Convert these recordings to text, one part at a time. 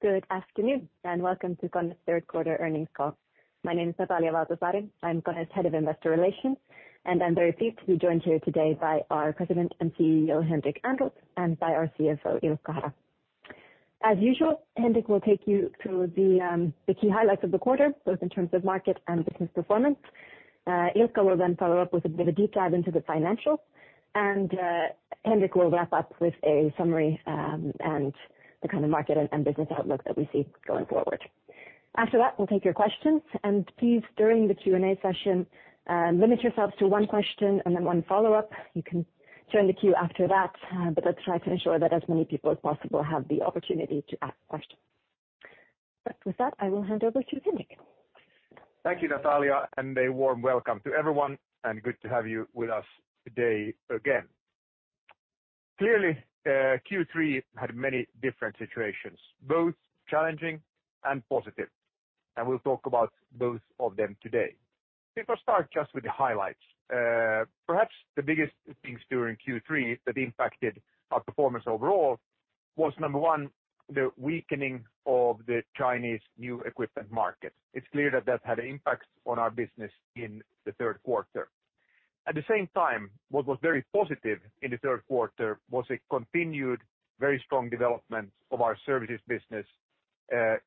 Good afternoon, and welcome to KONE's third quarter earnings call. My name is Natalia Valtasaari. I'm KONE's Head of Investor Relations, and I'm very pleased to be joined here today by our President and CEO, Henrik Ehrnrooth, and by our CFO, Ilkka Hara. As usual, Henrik will take you through the key highlights of the quarter, both in terms of market and business performance. Ilkka will then follow up with a bit of a deep dive into the financial. Henrik will wrap up with a summary, and the kind of market and business outlook that we see going forward. After that, we'll take your questions. Please, during the Q&A session, limit yourselves to one question and then one follow-up. You can join the queue after that, but let's try to ensure that as many people as possible have the opportunity to ask questions. With that, I will hand over to Henrik. Thank you, Natalia, and a warm welcome to everyone, and good to have you with us today again. Clearly, Q3 had many different situations, both challenging and positive, and we'll talk about both of them today. Let me first start just with the highlights. Perhaps the biggest things during Q3 that impacted our performance overall was, number one, the weakening of the Chinese new equipment market. It's clear that that had impacts on our business in the third quarter. At the same time, what was very positive in the third quarter was a continued very strong development of our services business,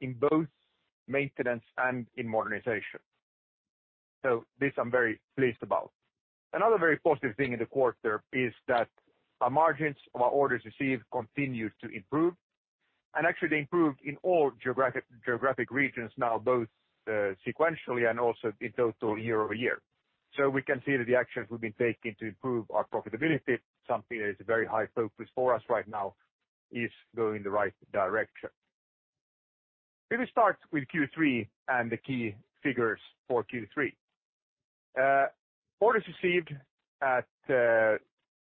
in both maintenance and in modernization. So this I'm very pleased about. Another very positive thing in the quarter is that our margins of our orders received continued to improve. Actually they improved in all geographic regions now, both sequentially and also in total year-over-year. We can see that the actions we've been taking to improve our profitability, something that is a very high focus for us right now, is going in the right direction. Let me start with Q3 and the key figures for Q3. Orders received at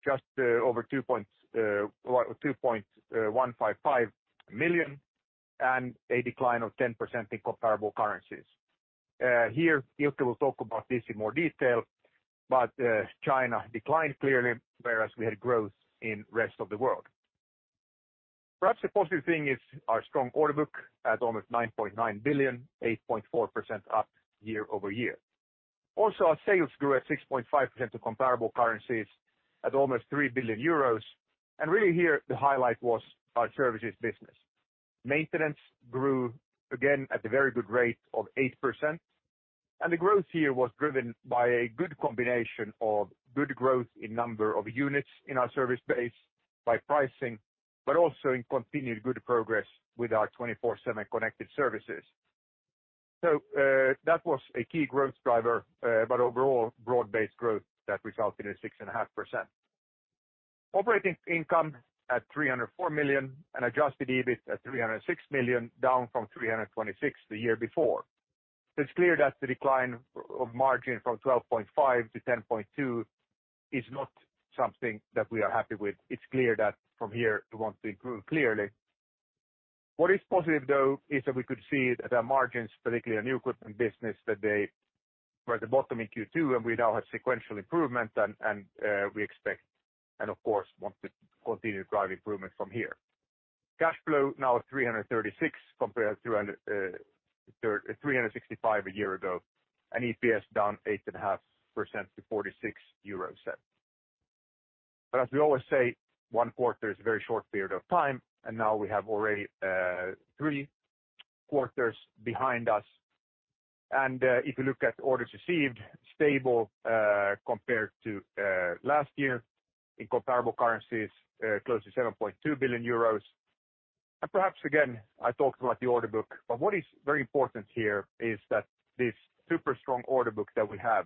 just over 2.155 million, and a decline of 10% in comparable currencies. Here, Ilkka will talk about this in more detail, but China declined clearly, whereas we had growth in rest of the world. Perhaps a positive thing is our strong order book at almost 9.9 billion, 8.4% up year-over-year. Our sales grew at 6.5% to comparable currencies at almost 3 billion euros. Really here, the highlight was our services business. Maintenance grew again at a very good rate of 8%, and the growth here was driven by a good combination of good growth in number of units in our service base by pricing, but also in continued good progress with our 24/7 Connected Services. That was a key growth driver, but overall broad-based growth that resulted in 6.5%. Operating income at 304 million, and adjusted EBIT at 306 million, down from 326 million the year before. It's clear that the decline of margin from 12.5%-10.2% is not something that we are happy with. It's clear that from here we want to improve clearly. What is positive, though, is that we could see that our margins, particularly our new equipment business, that they were at the bottom in Q2, and we now have sequential improvement and we expect and of course, want to continue to drive improvement from here. Cash flow now 336 compared to 365 a year ago, and EPS down 8.5% to 0.46 EUR. As we always say, one quarter is a very short period of time, and now we have already three quarters behind us. If you look at orders received, stable, compared to last year in comparable currencies, close to 7.2 billion euros. Perhaps, again, I talked about the order book, but what is very important here is that this super strong order book that we have,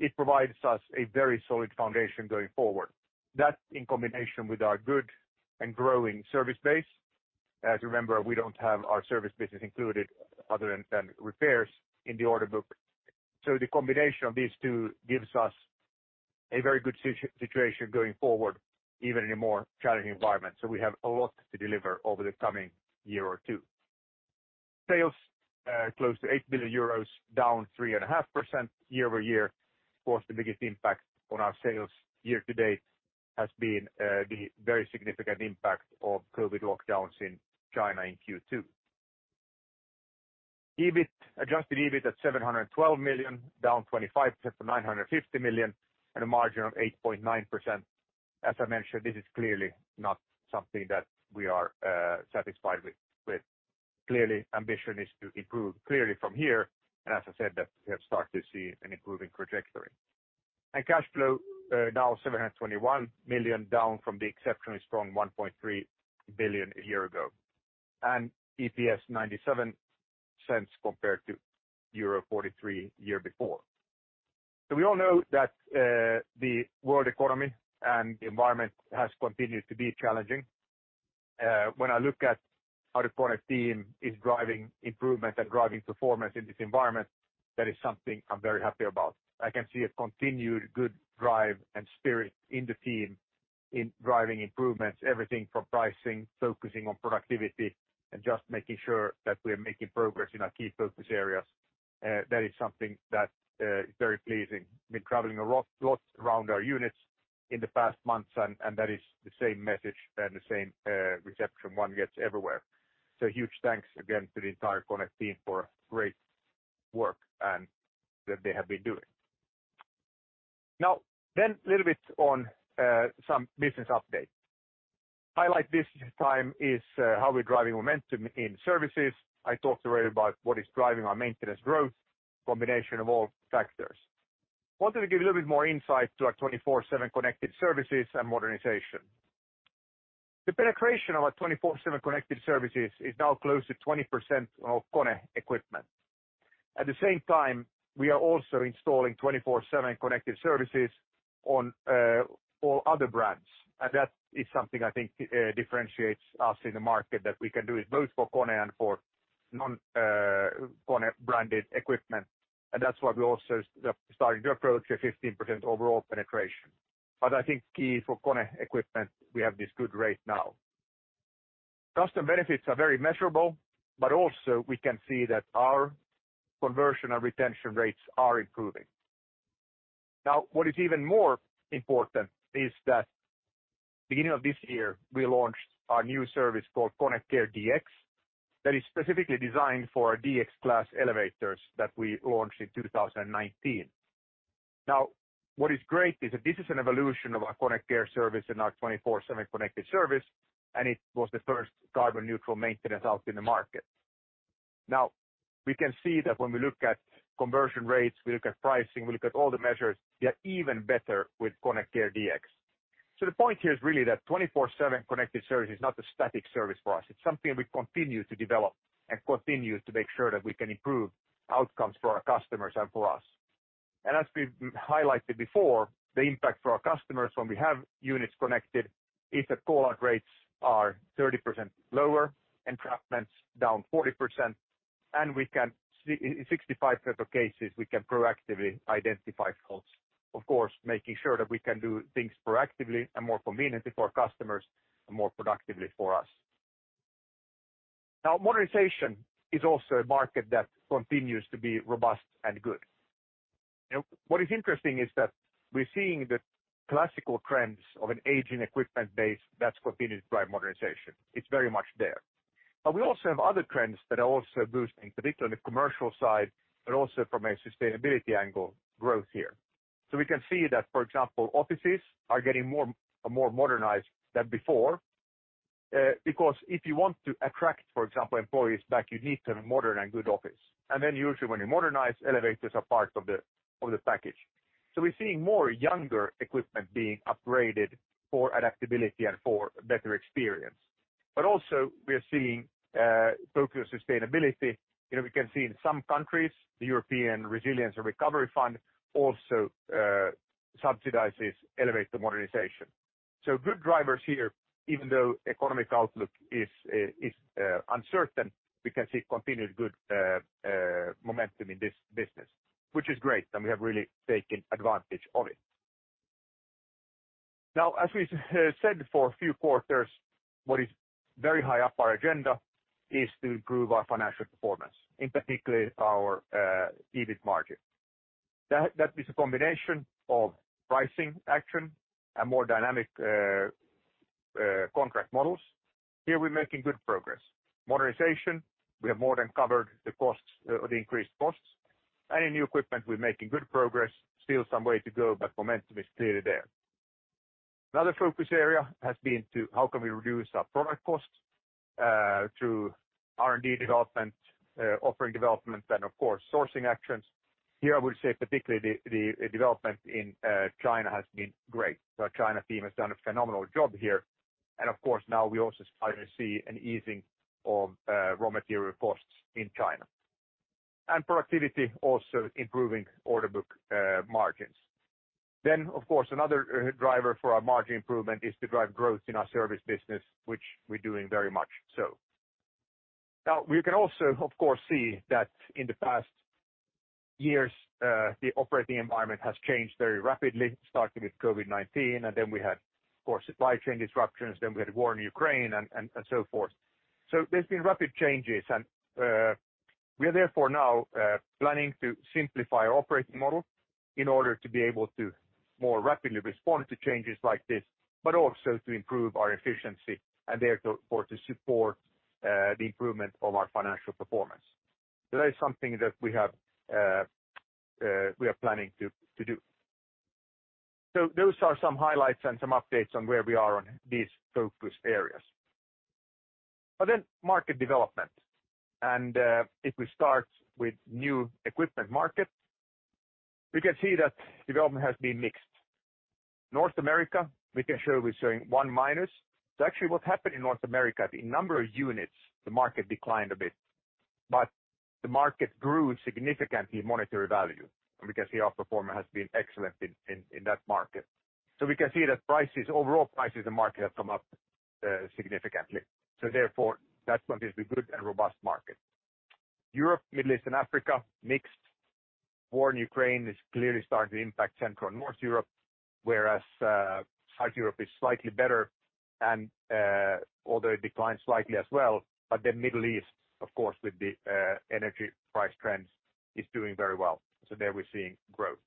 it provides us a very solid foundation going forward. That in combination with our good and growing service base, as you remember, we don't have our service business included other than repairs in the order book. The combination of these two gives us a very good situation going forward, even in a more challenging environment. We have a lot to deliver over the coming year or two. Sales close to 8 billion euros, down 3.5% year-over-year. Of course, the biggest impact on our sales year to date has been the very significant impact of COVID lockdowns in China in Q2. EBIT, adjusted EBIT at 712 million, down 25% to 950 million and a margin of 8.9%. As I mentioned, this is clearly not something that we are satisfied with. Ambition is to improve clearly from here, and as I said that we have started to see an improving trajectory. Cash flow now 721 million, down from the exceptionally strong 1.3 billion a year ago. EPS 0.97 compared to euro 0.43 year before. We all know that the world economy and the environment has continued to be challenging. When I look at how the KONE team is driving improvement and driving performance in this environment, that is something I'm very happy about. I can see a continued good drive and spirit in the team in driving improvements, everything from pricing, focusing on productivity, and just making sure that we're making progress in our key focus areas. That is something that is very pleasing. Been traveling a lot around our units in the past months, and that is the same message and the same reception one gets everywhere. Huge thanks again to the entire KONE team for great work and that they have been doing. Now a little bit on some business update. Highlight this time is how we're driving momentum in services. I talked already about what is driving our maintenance growth, combination of all factors. Wanted to give a little bit more insight to our 24/7 Connected Services and modernization. The penetration of our 24/7 Connected Services is now close to 20% of KONE equipment. At the same time, we are also installing 24/7 Connected Services on all other brands. That is something I think differentiates us in the market that we can do it both for KONE and for non-KONE branded equipment. That's why we also starting to approach a 15% overall penetration. I think key for KONE equipment, we have this good rate now. Customer benefits are very measurable, but also we can see that our conversion and retention rates are improving. Now, what is even more important is that beginning of this year, we launched our new service called KONE Care DX that is specifically designed for our DX Class elevators that we launched in 2019. Now, what is great is that this is an evolution of our KONE Care service and our 24/7 Connected Service, and it was the first carbon neutral maintenance out in the market. Now, we can see that when we look at conversion rates, we look at pricing, we look at all the measures, they are even better with KONE Care DX. The point here is really that 24/7 Connected Service is not a static service for us. It's something we continue to develop and continue to make sure that we can improve outcomes for our customers and for us. As we've highlighted before, the impact for our customers when we have units connected is that call-out rates are 30% lower, entrapments down 40%, and we can see, in 65 type of cases, we can proactively identify faults. Of course, making sure that we can do things proactively and more conveniently for our customers and more productively for us. Now, modernization is also a market that continues to be robust and good. What is interesting is that we're seeing the classical trends of an aging equipment base that's continued to drive modernization. It's very much there. We also have other trends that are also boosting, particularly on the commercial side, but also from a sustainability angle growth here. We can see that, for example, offices are getting more modernized than before. Because if you want to attract, for example, employees back, you need to have a modern and good office. Then usually when you modernize, elevators are part of the package. We're seeing more younger equipment being upgraded for adaptability and for better experience. Also we are seeing focus on sustainability. You know, we can see in some countries, the Recovery and Resilience Facility also subsidizes elevator modernization. Good drivers here, even though economic outlook is uncertain, we can see continued good momentum in this business, which is great, and we have really taken advantage of it. Now, as we said for a few quarters, what is very high up our agenda is to improve our financial performance, in particular our EBIT margin. That is a combination of pricing action and more dynamic contract models. Here we're making good progress. Modernization, we have more than covered the increased costs. Any new equipment, we're making good progress. Still some way to go, but momentum is clearly there. Another focus area has been to how can we reduce our product costs through R&D development, offering development, then of course, sourcing actions. Here, I would say particularly the development in China has been great. The China team has done a phenomenal job here. Of course, now we also starting to see an easing of raw material costs in China. Productivity also improving order book margins. Of course, another driver for our margin improvement is to drive growth in our service business, which we're doing very much so. Now we can also, of course, see that in the past years the operating environment has changed very rapidly, starting with COVID-19, and then we had, of course, supply chain disruptions, then we had war in Ukraine and so forth. There's been rapid changes, and we are therefore now planning to simplify our operating model in order to be able to more rapidly respond to changes like this, but also to improve our efficiency and therefore to support the improvement of our financial performance. That is something that we are planning to do. Those are some highlights and some updates on where we are on these focus areas. Market development. If we start with new equipment market, we can see that development has been mixed. North America, we're showing -1%. Actually what's happened in North America, the number of units, the market declined a bit, but the market grew significantly in monetary value. We can see our performance has been excellent in that market. We can see that prices, overall prices in the market have come up significantly. Therefore, that continues to be good and robust market. Europe, Middle East and Africa, mixed. War in Ukraine is clearly starting to impact Central and North Europe, whereas South Europe is slightly better and although it declined slightly as well, but the Middle East, of course, with the energy price trends is doing very well. There we're seeing growth.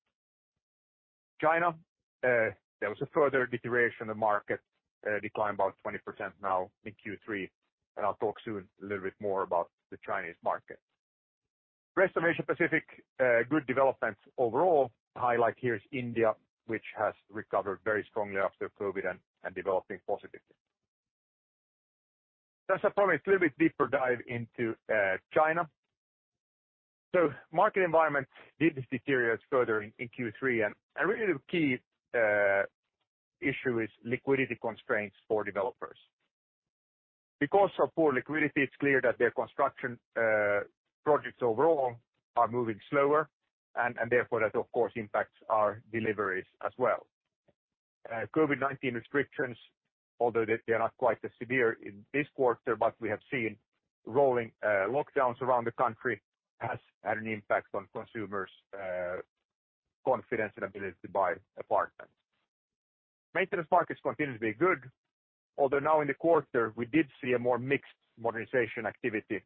China, there was a further deterioration. The market declined about 20% now in Q3, and I'll talk soon a little bit more about the Chinese market. Rest of Asia Pacific, good developments overall. Highlight here is India, which has recovered very strongly after COVID and developing positively. That's probably a little bit deeper dive into China. Market environment did deteriorate further in Q3. Really the key issue is liquidity constraints for developers. Because of poor liquidity, it's clear that their construction projects overall are moving slower and therefore that, of course, impacts our deliveries as well. COVID-19 restrictions, although they're not quite as severe in this quarter, but we have seen rolling lockdowns around the country has had an impact on consumers' confidence and ability to buy apartments. Maintenance markets continue to be good. Although now in the quarter, we did see a more mixed modernization activity.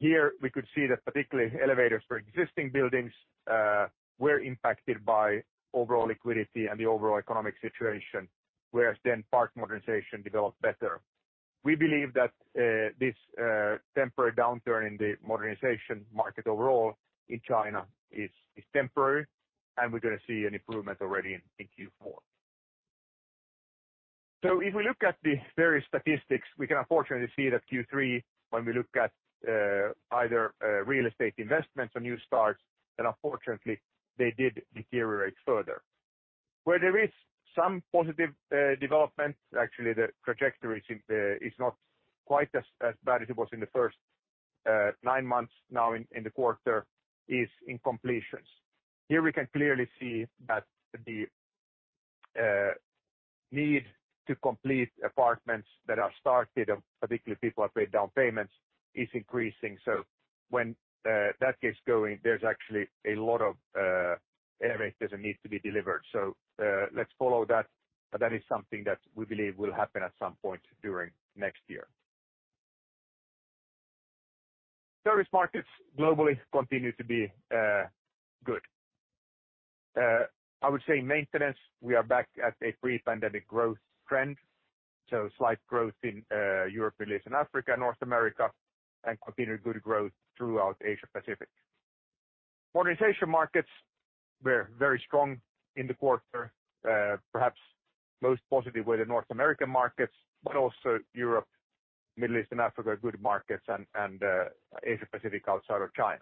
Here, we could see that particularly elevators for existing buildings were impacted by overall liquidity and the overall economic situation, whereas then park modernization developed better. We believe that this temporary downturn in the modernization market overall in China is temporary, and we're gonna see an improvement already in Q4. If we look at the various statistics, we can unfortunately see that Q3, when we look at either real estate investments or new starts, then unfortunately they did deteriorate further. Where there is some positive development, actually the trajectory is not quite as bad as it was in the first nine months now in the quarter, is in completions. Here we can clearly see that the need to complete apartments that are started, and particularly people have made down payments, is increasing. When that gets going, there's actually a lot of elevators that need to be delivered. Let's follow that, but that is something that we believe will happen at some point during next year. Service markets globally continue to be good. I would say maintenance, we are back at a pre-pandemic growth trend. Slight growth in Europe, Middle East and Africa, North America, and continued good growth throughout Asia Pacific. Modernization markets were very strong in the quarter. Perhaps most positive were the North American markets, but also Europe, Middle East, and Africa, good markets and Asia Pacific outside of China.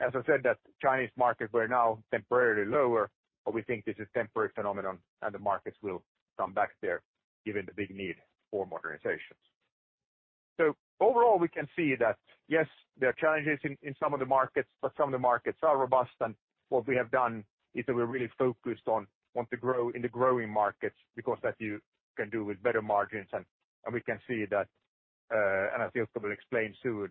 As I said, the Chinese markets were now temporarily lower, but we think this is temporary phenomenon and the markets will come back there given the big need for modernizations. Overall, we can see that, yes, there are challenges in some of the markets, but some of the markets are robust. What we have done is that we're really focused on what we want to grow in the growing markets because there you can do with better margins, and we can see that, and as Ilkka will explain soon,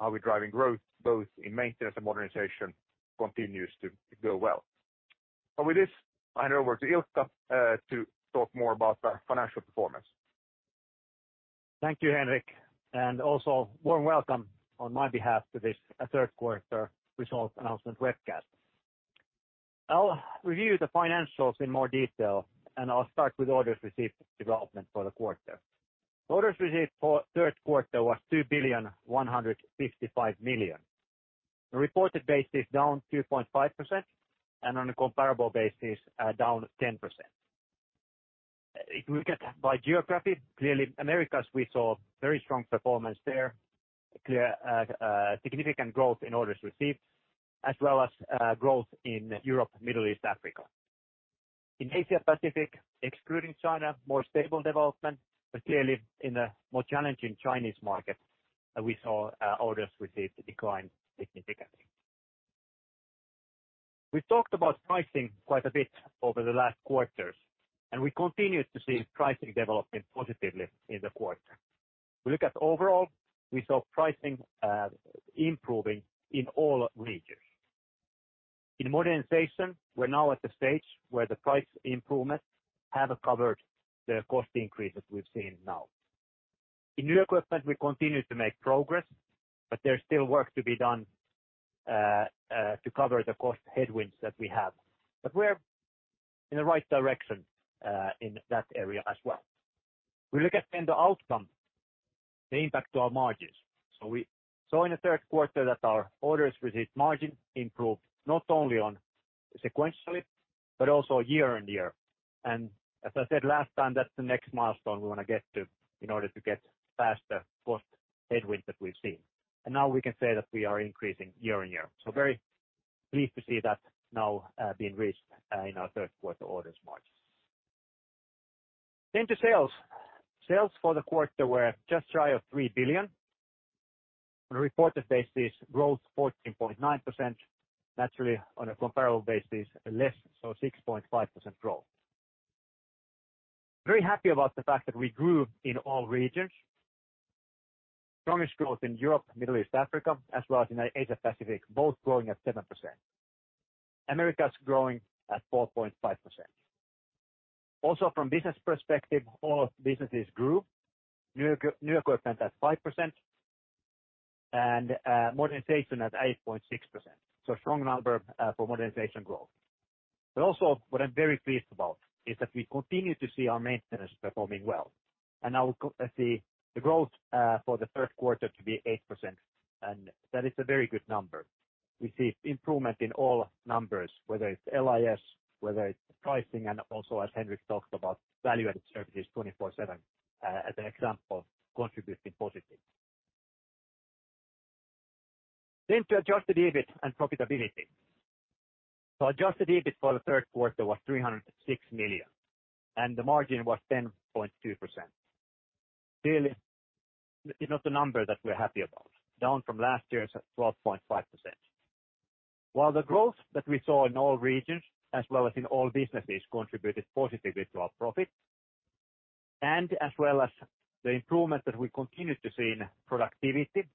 how we're driving growth both in maintenance and modernization continues to go well. With this, hand over to Ilkka to talk more about our financial performance. Thank you, Henrik, and also warm welcome on my behalf to this third quarter results announcement webcast. I'll review the financials in more detail, and I'll start with orders received development for the quarter. Orders received for third quarter was 2,155 million. The reported basis down 2.5%, and on a comparable basis, down 10%. If we look at by geography, clearly Americas, we saw very strong performance there. Clearly, significant growth in orders received, as well as growth in Europe, Middle East, Africa. In Asia Pacific, excluding China, more stable development, but clearly in a more challenging Chinese market, we saw orders received decline significantly. We talked about pricing quite a bit over the last quarters, and we continued to see pricing developing positively in the quarter. We look at overall, we saw pricing improving in all regions. In modernization, we're now at the stage where the price improvements have covered the cost increases we've seen now. In new equipment, we continue to make progress, but there's still work to be done to cover the cost headwinds that we have. We're in the right direction in that area as well. We look at the outcome, the impact to our margins. We saw in the third quarter that our orders received margin improved not only sequentially, but also year-on-year. As I said last time, that's the next milestone we wanna get to in order to get past the cost headwinds that we've seen. Now we can say that we are increasing year-on-year. Very pleased to see that now being reached in our third quarter orders margin. To sales. Sales for the quarter were just shy of 3 billion. On a reported basis, growth 14.9%. Naturally on a comparable basis, less so 6.5% growth. Very happy about the fact that we grew in all regions. Strongest growth in Europe, Middle East, Africa, as well as in Asia Pacific, both growing at 7%. Americas growing at 4.5%. Also, from business perspective, all businesses grew. New equipment at 5% and modernization at 8.6%. Strong number for modernization growth. But also what I'm very pleased about is that we continue to see our maintenance performing well. Now the growth for the third quarter to be 8%, and that is a very good number. We see improvement in all numbers, whether it's LIS, whether it's pricing, and also as Henrik talked about, value-added services 24/7, as an example, contributing positively to adjusted EBIT and profitability. Adjusted EBIT for the third quarter was 306 million, and the margin was 10.2%. Clearly, it's not a number that we're happy about, down from last year's at 12.5%. While the growth that we saw in all regions as well as in all businesses contributed positively to our profit, and as well as the improvement that we continue to see in productivity,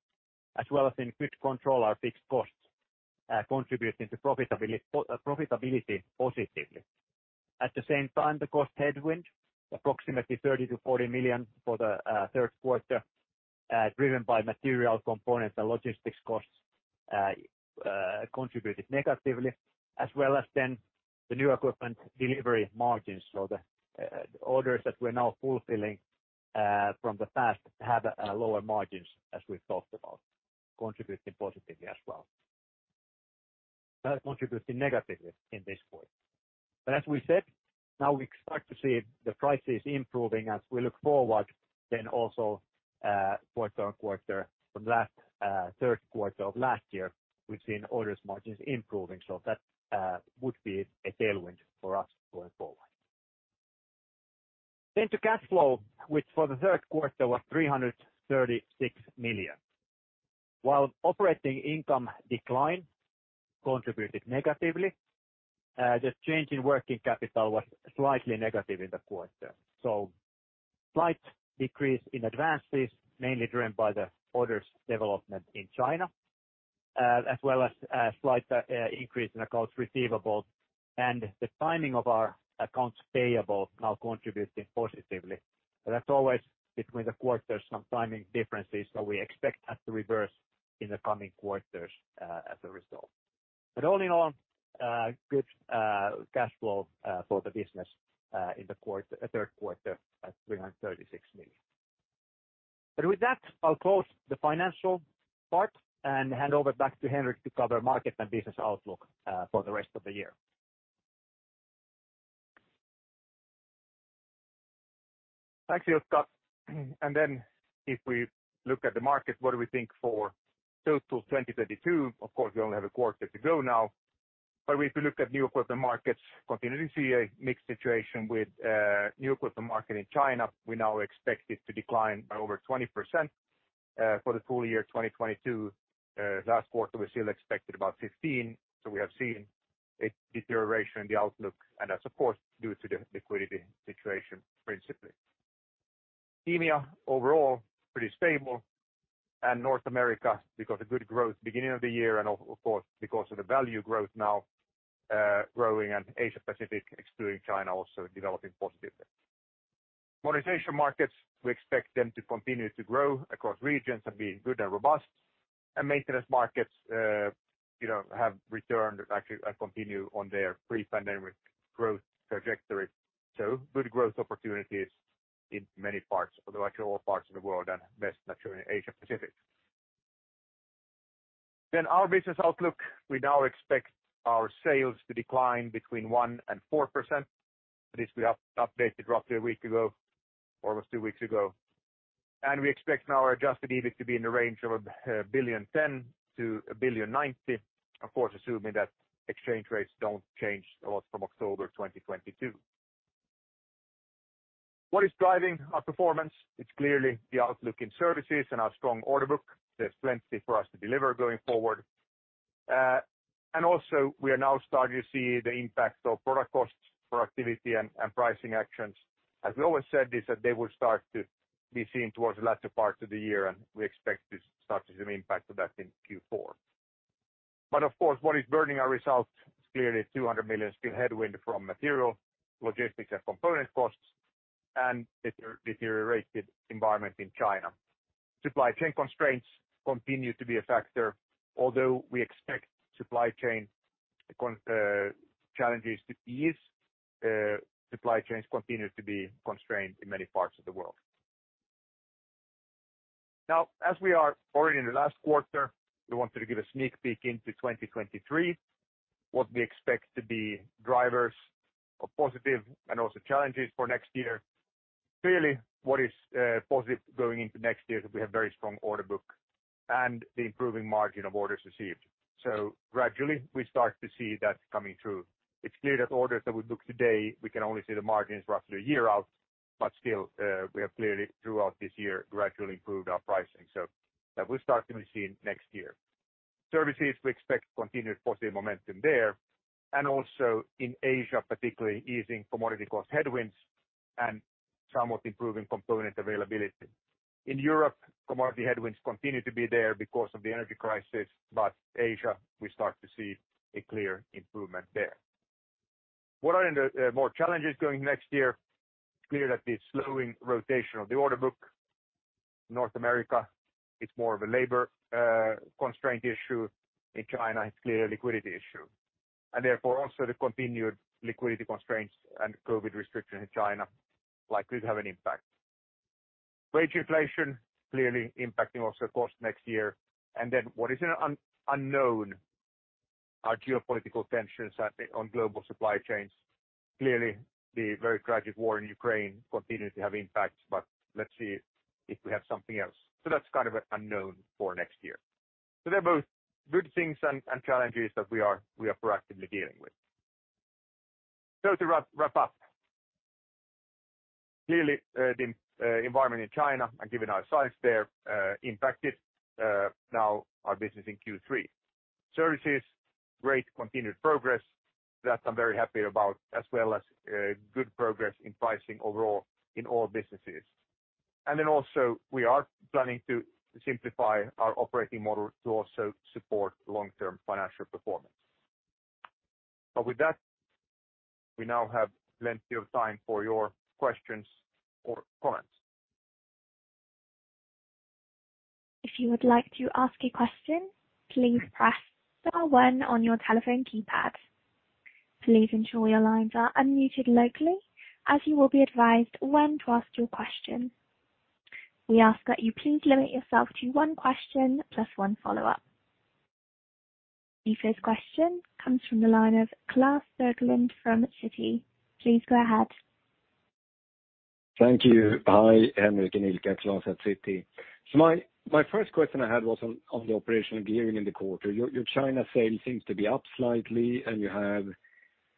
as well as in good control our fixed costs, contributing to profitability positively. At the same time, the cost headwind, approximately 30-40 million for the third quarter, driven by material components and logistics costs, contributed negatively, as well as then the new equipment delivery margins. The orders that we're now fulfilling from the past have lower margins, as we've talked about, contributing positively as well. That's contributing negatively in this point. As we said, now we expect to see the prices improving as we look forward, then also quarter-on-quarter from last third quarter of last year, we've seen orders margins improving. That would be a tailwind for us going forward. To cash flow, which for the third quarter was 336 million. While operating income decline contributed negatively, the change in working capital was slightly negative in the quarter. Slight decrease in advances, mainly driven by the orders development in China, as well as a slight increase in accounts receivable and the timing of our accounts payable now contributing positively. As always, between the quarters, some timing differences, so we expect that to reverse in the coming quarters, as a result. All in all, good cash flow for the business in the quarter, third quarter at 336 million. With that, I'll close the financial part and hand over back to Henrik to cover market and business outlook for the rest of the year. Thanks, Ilkka Hara. If we look at the market, what do we think for total 2022? Of course, we only have a quarter to go now. If we look at new equipment markets, continuing to see a mixed situation with new equipment market in China, we now expect it to decline by over 20% for the full year 2022. Last quarter, we still expected about 15%, so we have seen a deterioration in the outlook, and that's of course due to the liquidity situation, principally. EMEA overall, pretty stable. North America, we got a good growth beginning of the year and of course because of the volume growth now growing, and Asia Pacific, excluding China, also developing positively. Modernization markets, we expect them to continue to grow across regions and being good and robust. Maintenance markets, you know, have returned, actually continue on their pre-pandemic growth trajectory. Good growth opportunities in many parts, although actually all parts of the world and best naturally in Asia Pacific. Our business outlook, we now expect our sales to decline between 1% and 4%. This we updated roughly a week ago or almost two weeks ago. We expect now our adjusted EBIT to be in the range of 1.0 billion-1.09 billion, of course, assuming that exchange rates don't change a lot from October 2022. What is driving our performance? It's clearly the outlook in services and our strong order book. There's plenty for us to deliver going forward. Also we are now starting to see the impact of product costs, productivity, and pricing actions. As we always said this, that they will start to be seen towards the latter parts of the year, and we expect to start to see an impact of that in Q4. Of course, what is burning our results is clearly 200 million still headwind from material, logistics, and component costs and deteriorated environment in China. Supply chain constraints continue to be a factor. Although we expect supply chain challenges to ease, supply chains continue to be constrained in many parts of the world. Now, as we are already in the last quarter, we wanted to give a sneak peek into 2023, what we expect to be drivers of positive and also challenges for next year. Clearly, what is positive going into next year is we have very strong order book and the improving margin of orders received. Gradually we start to see that coming through. It's clear that orders that we book today, we can only see the margins roughly a year out, but still, we have clearly throughout this year gradually improved our pricing so that we'll start to be seen next year. Services, we expect continued positive momentum there. Also in Asia, particularly easing commodity cost headwinds and somewhat improving component availability. In Europe, commodity headwinds continue to be there because of the energy crisis, but in Asia, we start to see a clear improvement there. What are the major challenges going into next year? It's clear that the slowing rotation of the order book. North America, it's more of a labor constraint issue. In China, it's clearly a liquidity issue. Therefore, also the continued liquidity constraints and COVID restrictions in China likely to have an impact. Wage inflation clearly impacting also, of course, next year. What is an unknown are geopolitical tensions on global supply chains. Clearly, the very tragic war in Ukraine continues to have impacts, but let's see if we have something else. That's kind of an unknown for next year. They're both good things and challenges that we are proactively dealing with. To wrap up. Clearly, the environment in China and given our size there, impacted now our business in Q3. Services, great continued progress. That I'm very happy about, as well as good progress in pricing overall in all businesses. We are planning to simplify our operating model to also support long-term financial performance. With that, we now have plenty of time for your questions or comments. If you would like to ask a question, please press star one on your telephone keypad. Please ensure your lines are unmuted locally, as you will be advised when to ask your question. We ask that you please limit yourself to one question plus one follow-up. The first question comes from the line of Klas Bergelind from Citi. Please go ahead. Thank you. Hi, Henrik and Ilkka. Klas at Citi. My first question I had was on the operational gearing in the quarter. Your China sales seem to be up slightly, and you have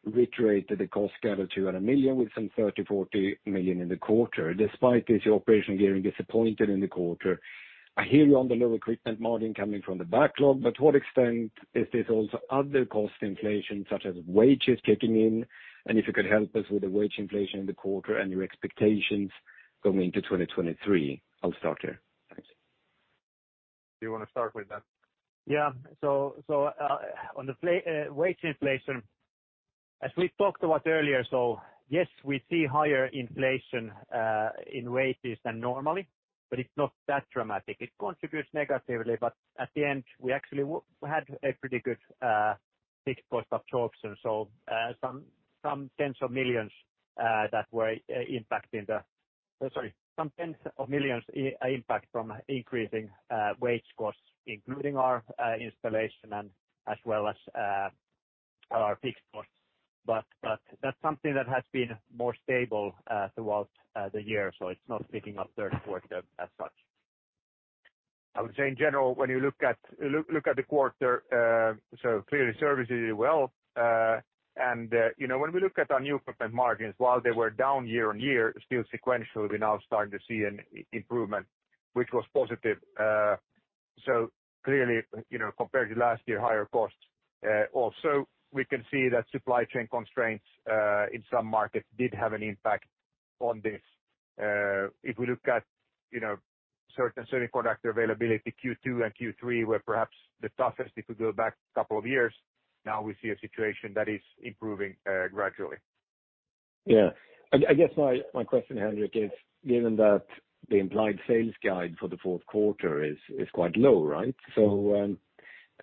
reiterated the cost savings 200 million with some 30-40 million in the quarter. Despite this, your operational gearing disappointed in the quarter. I hear you on the low equipment margin coming from the backlog, but to what extent is this also other cost inflation, such as wages kicking in? If you could help us with the wage inflation in the quarter and your expectations going into 2023. I'll start here. Thanks. Do you wanna start with that? Yeah. On the wage inflation, as we talked about earlier, yes, we see higher inflation in wages than normally, but it's not that dramatic. It contributes negatively, but at the end, we actually had a pretty good fixed cost absorption. Some tens of millions impact from increasing wage costs, including our installation as well as our pay costs. But that's something that has been more stable throughout the year, so it's not picking up third quarter as such. I would say in general, when you look at the quarter, clearly services did well. You know, when we look at our new equipment margins, while they were down year-over-year, still sequentially, we're now starting to see an improvement, which was positive. Clearly, you know, compared to last year, higher costs. Also, we can see that supply chain constraints in some markets did have an impact on this. If we look at certain product availability, Q2 and Q3 were perhaps the toughest if we go back a couple of years. Now we see a situation that is improving gradually. Yeah. I guess my question, Henrik, is given that the implied sales guide for the fourth quarter is quite low, right?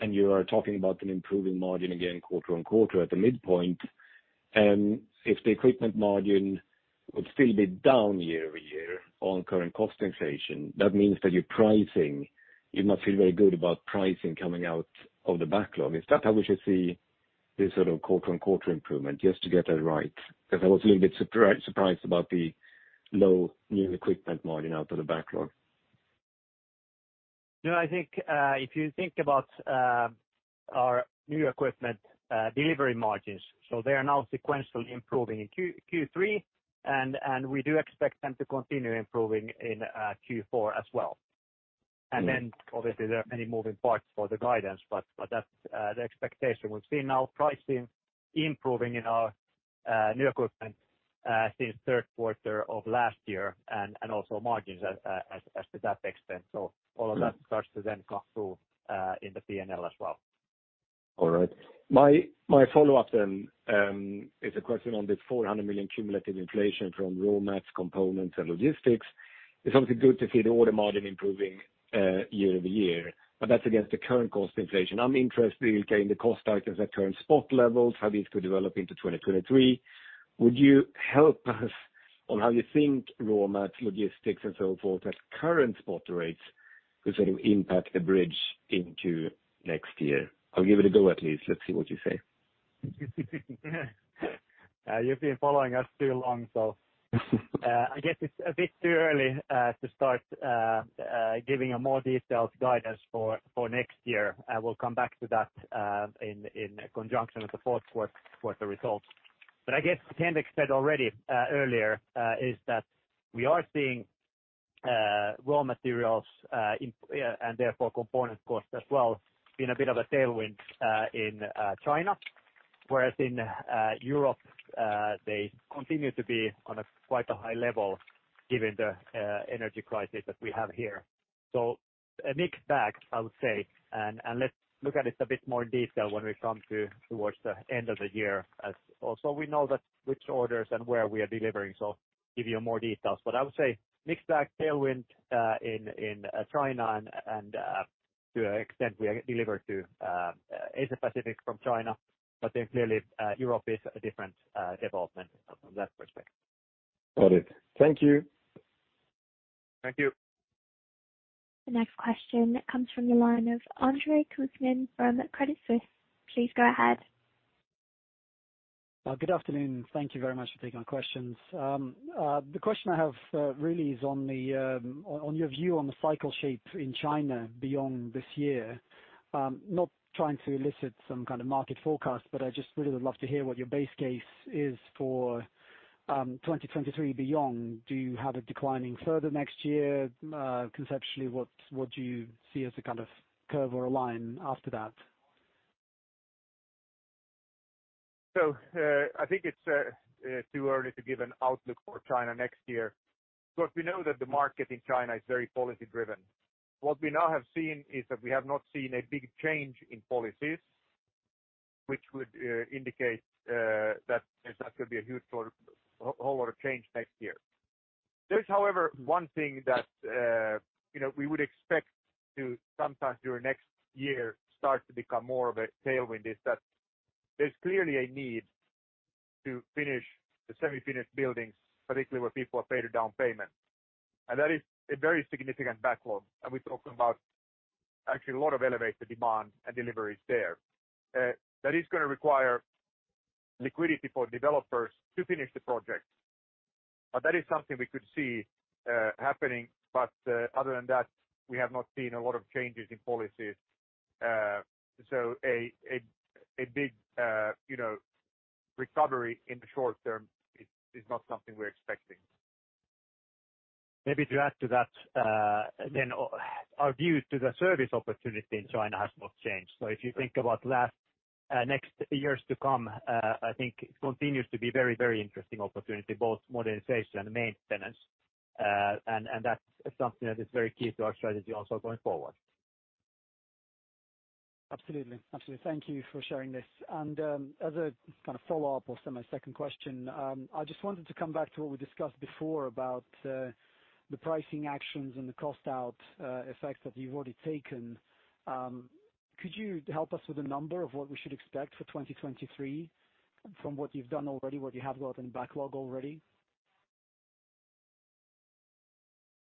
You are talking about an improving margin again quarter-over-quarter at the midpoint, if the equipment margin would still be down year-over-year on current cost inflation, that means that your pricing, you're not feeling very good about pricing coming out of the backlog. Is that how we should see this sort of quarter-over-quarter improvement? Just to get that right, 'cause I was a little bit surprised about the low new equipment margin out of the backlog. No, I think, if you think about our new equipment delivery margins, so they are now sequentially improving in Q3, and we do expect them to continue improving in Q4 as well. Mm. Obviously, there are many moving parts for the guidance, but that's the expectation. We've seen our pricing improving in our new equipment since third quarter of last year and also margins as to that extent. All of that- Mm. Starts to then come through in the P&L as well. All right. My follow-up then is a question on this 400 million cumulative inflation from raw mats, components, and logistics. It's obviously good to see the order margin improving year-over-year, but that's against the current cost inflation. I'm interested in, again, the cost items at current spot levels, how these could develop into 2023. Would you help us on how you think raw mat, logistics, and so forth at current spot rates could sort of impact the bridge into next year? I'll give it a go at least. Let's see what you say. You've been following us too long. I guess it's a bit too early to start giving a more detailed guidance for next year. We'll come back to that in conjunction with the fourth quarter results. I guess the trend we've set already earlier is that we are seeing raw materials and therefore component cost as well been a bit of a tailwind in China. Whereas in Europe they continue to be on quite a high level given the energy crisis that we have here. A mixed bag, I would say, and let's look at it a bit more detail when we come to towards the end of the year as also we know that which orders and where we are delivering, so give you more details. I would say mixed bag tailwind in China and to an extent we are delivered to Asia Pacific from China. Clearly, Europe is a different development from that perspective. Got it. Thank you. Thank you. The next question comes from the line of Andre Kukhnin from Credit Suisse. Please go ahead. Good afternoon. Thank you very much for taking our questions. The question I have really is on your view on the cycle shape in China beyond this year. Not trying to elicit some kind of market forecast, but I just really would love to hear what your base case is for 2023 beyond. Do you have it declining further next year? Conceptually, what do you see as a kind of curve or a line after that? I think it's too early to give an outlook for China next year. We know that the market in China is very policy-driven. What we now have seen is that we have not seen a big change in policies which would indicate that there's not gonna be a huge sort of whole lot of change next year. There is, however, one thing that you know we would expect to sometimes during next year start to become more of a tailwind, is that there's clearly a need to finish the semi-finished buildings, particularly where people have paid a down payment. That is a very significant backlog. We talk about actually a lot of elevator demand and deliveries there. That is gonna require liquidity for developers to finish the project. That is something we could see happening. Other than that, we have not seen a lot of changes in policies. A big, you know, recovery in the short term is not something we're expecting. Maybe to add to that, then our view to the service opportunity in China has not changed. If you think about next years to come, I think it continues to be very, very interesting opportunity, both modernization and maintenance. That's something that is very key to our strategy also going forward. Absolutely. Thank you for sharing this. As a kind of follow-up or semi second question, I just wanted to come back to what we discussed before about the pricing actions and the cost out effects that you've already taken. Could you help us with a number of what we should expect for 2023 from what you've done already, what you have got in backlog already?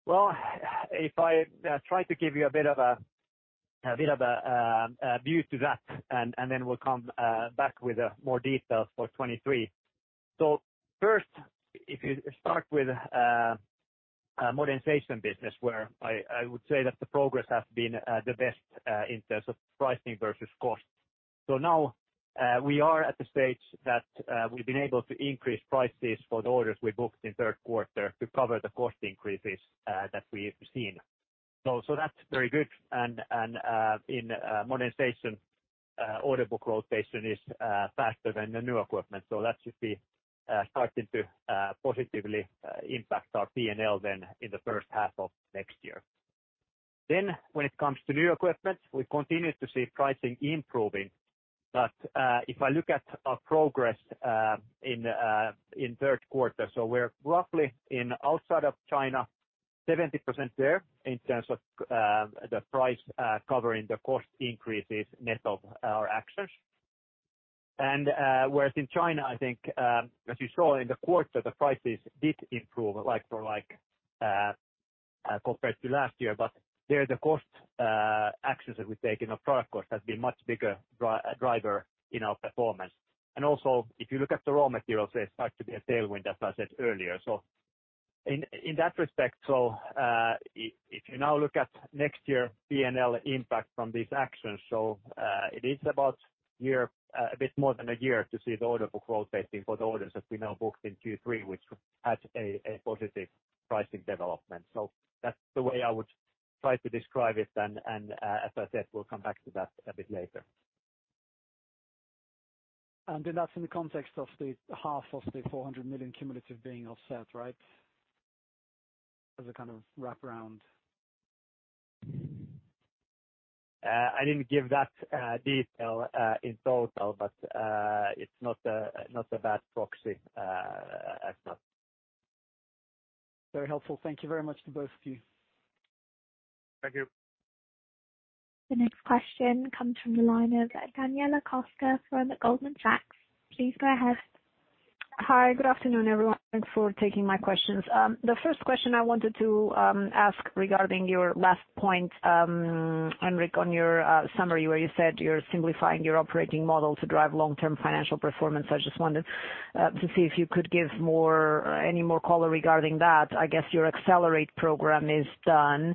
Well, if I try to give you a bit of a view to that, and then we'll come back with more details for 2023. First, if you start with modernization business where I would say that the progress has been the best in terms of pricing versus cost. Now we are at the stage that we've been able to increase prices for the orders we booked in third quarter to cover the cost increases that we've seen. That's very good and in modernization order book rotation is faster than the new equipment. That should be starting to positively impact our P&L then in the first half of next year. When it comes to new equipment, we continue to see pricing improving. If I look at our progress in third quarter, we're roughly, outside of China, 70% there in terms of the price covering the cost increases net of our actions. Whereas in China, I think, as you saw in the quarter, the prices did improve like for like compared to last year, but there the cost actions that we take in our product cost has been much bigger driver in our performance. Also if you look at the raw materials, they start to be a tailwind as I said earlier. In that respect, if you now look at next year P&L impact from these actions, it is about a year, a bit more than a year to see the order book rotating for the orders that we now booked in Q3 which would add a positive pricing development. That's the way I would try to describe it. As I said, we'll come back to that a bit later. That's in the context of the half of the 400 million cumulative being offset, right? As a kind of wraparound. I didn't give that detail in total, but it's not a bad proxy as such. Very helpful. Thank you very much to both of you. Thank you. The next question comes from the line of Daniela Costa from Goldman Sachs. Please go ahead. Hi. Good afternoon, everyone. Thanks for taking my questions. The first question I wanted to ask regarding your last point, Henrik, on your summary, where you said you're simplifying your operating model to drive long-term financial performance. I just wanted to see if you could give any more color regarding that. I guess your Accelerate program is done,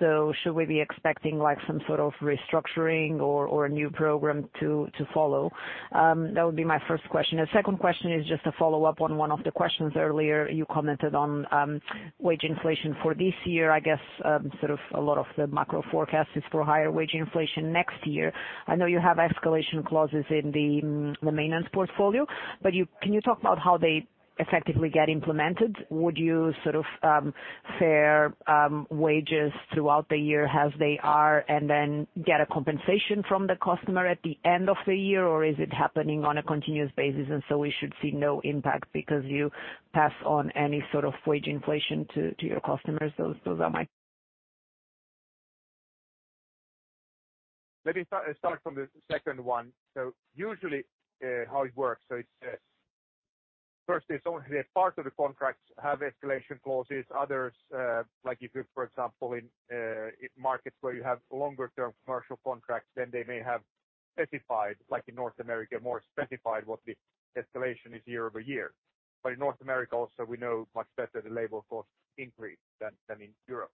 so should we be expecting, like, some sort of restructuring or a new program to follow? That would be my first question. The second question is just a follow-up on one of the questions earlier. You commented on wage inflation for this year. I guess sort of a lot of the macro forecast is for higher wage inflation next year. I know you have escalation clauses in the maintenance portfolio, but can you talk about how they effectively get implemented? Would you sort of bear wages throughout the year as they are and then get a compensation from the customer at the end of the year? Or is it happening on a continuous basis, and so we should see no impact because you pass on any sort of wage inflation to your customers? Those are my- Let me start from the second one. Usually, how it works, it's first only a part of the contracts have escalation clauses. Others, like if you, for example, in markets where you have longer term commercial contracts, then they may have specified, like in North America, more specified what the escalation is year over year. In North America also we know much better the labor cost increase than in Europe.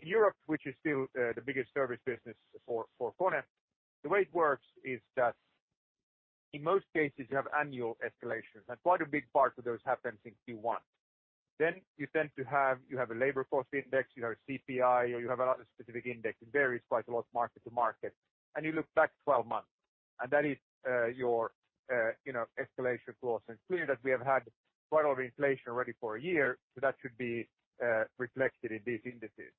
In Europe, which is still the biggest service business for KONE, the way it works is that in most cases you have annual escalations, and quite a big part of those happens in Q1. You have a labor cost index, you have CPI, or you have another specific index. It varies quite a lot market-to-market. You look back 12 months, and that is your you know escalation clause. Clearly that we have had quite overinflation already for a year, so that should be reflected in these indices.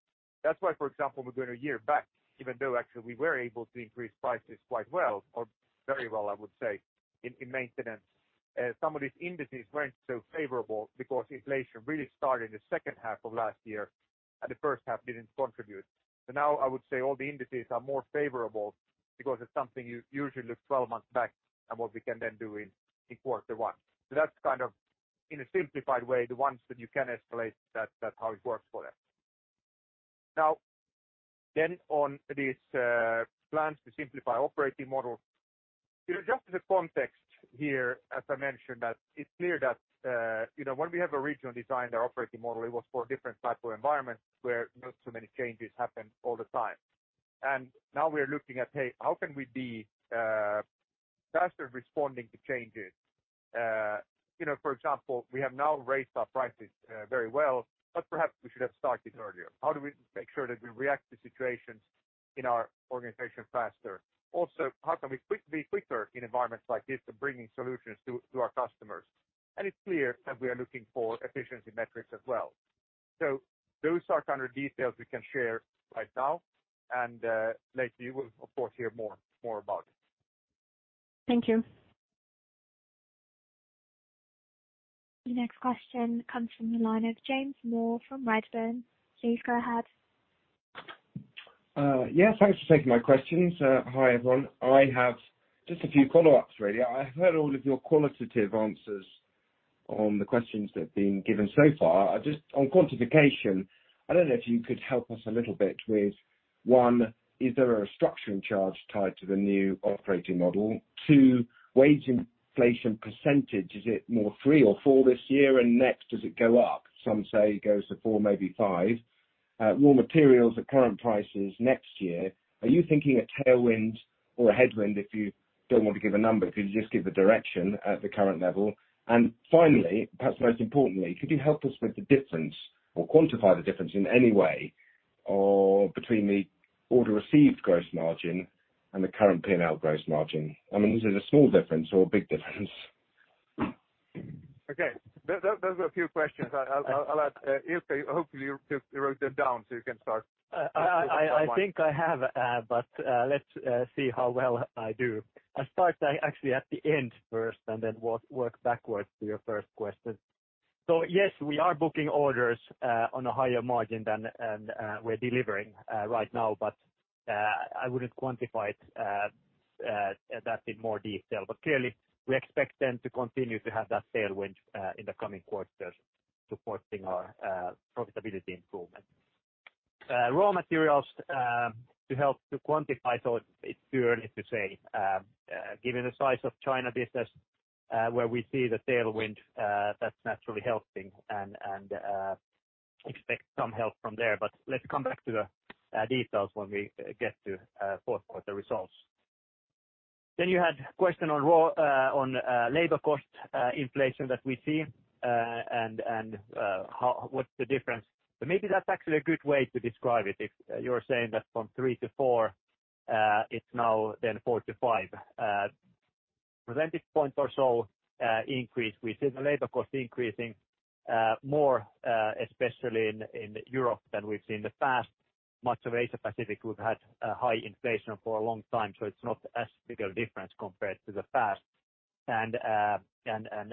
That's why, for example, we're going a year back even though actually we were able to increase prices quite well or very well, I would say, in maintenance. Some of these indices weren't so favorable because inflation really started the second half of last year, and the first half didn't contribute. Now I would say all the indices are more favorable because it's something you usually look 12 months back and what we can then do in quarter one. That's kind of, in a simplified way, the ones that you can escalate that how it works for them. On these plans to simplify operating model. To adjust the context here, as I mentioned, that it's clear that, you know, when we have originally designed our operating model, it was for a different type of environment where not so many changes happen all the time. Now we are looking at, hey, how can we be faster responding to changes? You know, for example, we have now raised our prices very well, but perhaps we should have started earlier. How do we make sure that we react to situations in our organization faster? Also, how can we be quicker in environments like this to bringing solutions to our customers? It's clear that we are looking for efficiency metrics as well. Those are kind of details we can share right now, and later you will of course hear more about it. Thank you. The next question comes from the line of James Moore from Redburn. Please go ahead. Yeah, thanks for taking my questions. Hi, everyone. I have just a few follow-ups, really. I heard all of your qualitative answers on the questions that have been given so far. Just on quantification, I don't know if you could help us a little bit with, one, is there a structuring charge tied to the new operating model? Two, wage inflation percentage, is it more 3% or 4% this year? And next, does it go up? Some say it goes to 4%, maybe 5%. Raw materials at current prices next year, are you thinking a tailwind or a headwind if you don't want to give a number? Could you just give the direction at the current level? Finally, perhaps most importantly, could you help us with the difference or quantify the difference in any way, between the order received gross margin and the current P&L gross margin? I mean, is it a small difference or a big difference? Okay. Those were a few questions. I'll ask Ilkka. Hopefully, you wrote them down, so you can start. I think I have, but let's see how well I do. I'll start actually at the end first and then work backwards to your first question. Yes, we are booking orders on a higher margin than we're delivering right now. I wouldn't quantify that in more detail. Clearly we expect them to continue to have that tailwind in the coming quarters supporting our profitability improvement. Raw materials to help to quantify. It's too early to say, given the size of China business, where we see the tailwind, that's naturally helping and expect some help from there. Let's come back to the details when we get to fourth quarter results. You had question on labor cost inflation that we see, and what's the difference? Maybe that's actually a good way to describe it if you're saying that from 3-4, it's now 4-5 percentage point or so increase. We see the labor cost increasing more especially in Europe than we've seen in the past. Much of Asia Pacific we've had a high inflation for a long time, so it's not as big a difference compared to the past.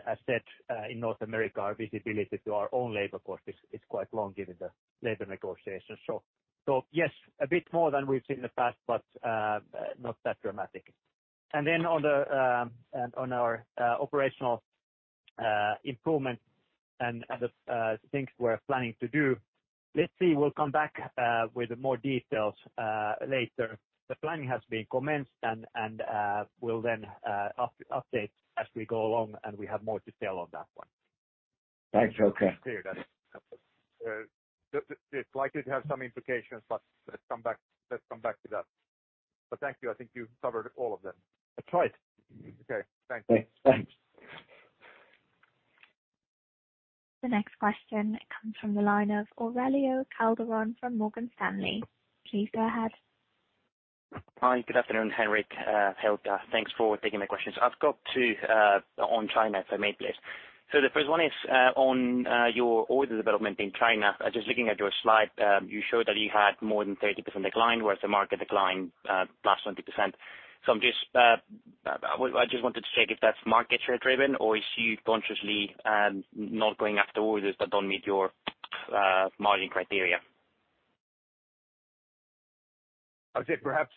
As said, in North America, our visibility to our own labor cost is quite long given the labor negotiations. Yes, a bit more than we've seen in the past, but not that dramatic. And then on operational improvement and the things we're planning to do, let's see, we'll come back with more details later. The planning has been commenced and we'll then update as we go along, and we have more detail on that one. Thanks. Okay. Clear that. It's likely to have some implications, but let's come back to that. Thank you. I think you've covered all of them. I tried. Okay. Thank you. Thanks. Thanks. The next question comes from the line of Aurelio Calderon from Morgan Stanley. Please go ahead. Hi. Good afternoon, Henrik, Ilkka. Thanks for taking my questions. I've got two on China, if I may please. The first one is on your order development in China. Just looking at your slide, you showed that you had more than 30% decline, whereas the market declined by 20%. I just wanted to check if that's market share driven or is you consciously not going after orders that don't meet your margin criteria? I would say perhaps,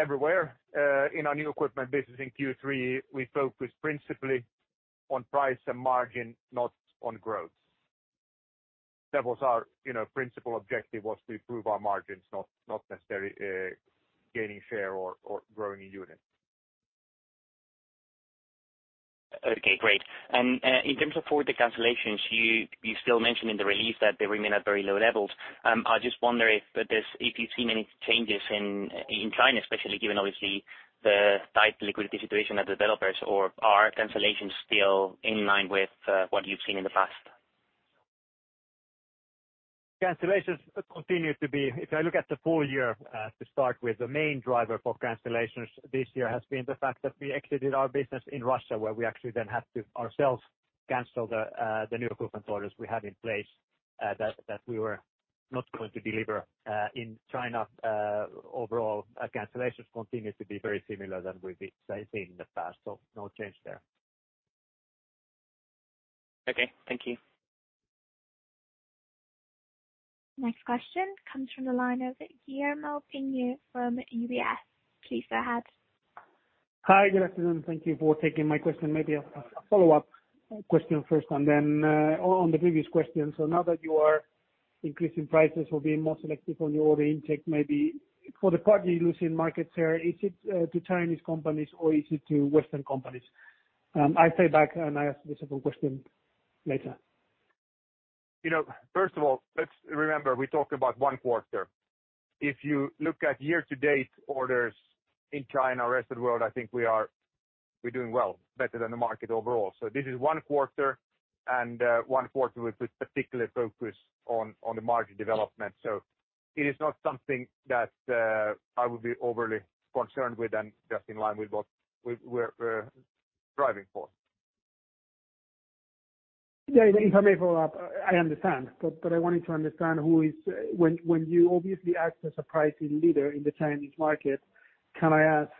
everywhere, in our new equipment business in Q3, we focused principally on price and margin, not on growth. That was our, you know, principal objective was to improve our margins, not necessarily gaining share or growing in unit. Okay, great. In terms of order cancellations, you still mentioned in the release that they remain at very low levels. I just wonder if you've seen any changes in China, especially given obviously the tight liquidity situation of developers, or are cancellations still in line with what you've seen in the past? Cancellations continue to be. If I look at the full year, to start with, the main driver for cancellations this year has been the fact that we exited our business in Russia, where we actually then had to ourselves cancel the new equipment orders we had in place, that we were not going to deliver. In China, overall, cancellations continue to be very similar than we've seen in the past. No change there. Okay, thank you. Next question comes from the line of Guillermo Peigneux from UBS. Please go ahead. Hi. Good afternoon. Thank you for taking my question. Maybe a follow-up question first and then on the previous question. Now that you are increasing prices or being more selective on your order intake, maybe for the part you lose in market share, is it to Chinese companies or is it to Western companies? I stay back and I ask the second question later. You know, first of all, let's remember, we talked about one quarter. If you look at year-to-date orders in China, rest of the world, I think we're doing well, better than the market overall. This is one quarter and one quarter with a particular focus on the margin development. It is not something that I would be overly concerned with and just in line with what we're driving for. Yeah, the information follow-up, I understand. I wanted to understand when you obviously act as a pricing leader in the Chinese market, can I ask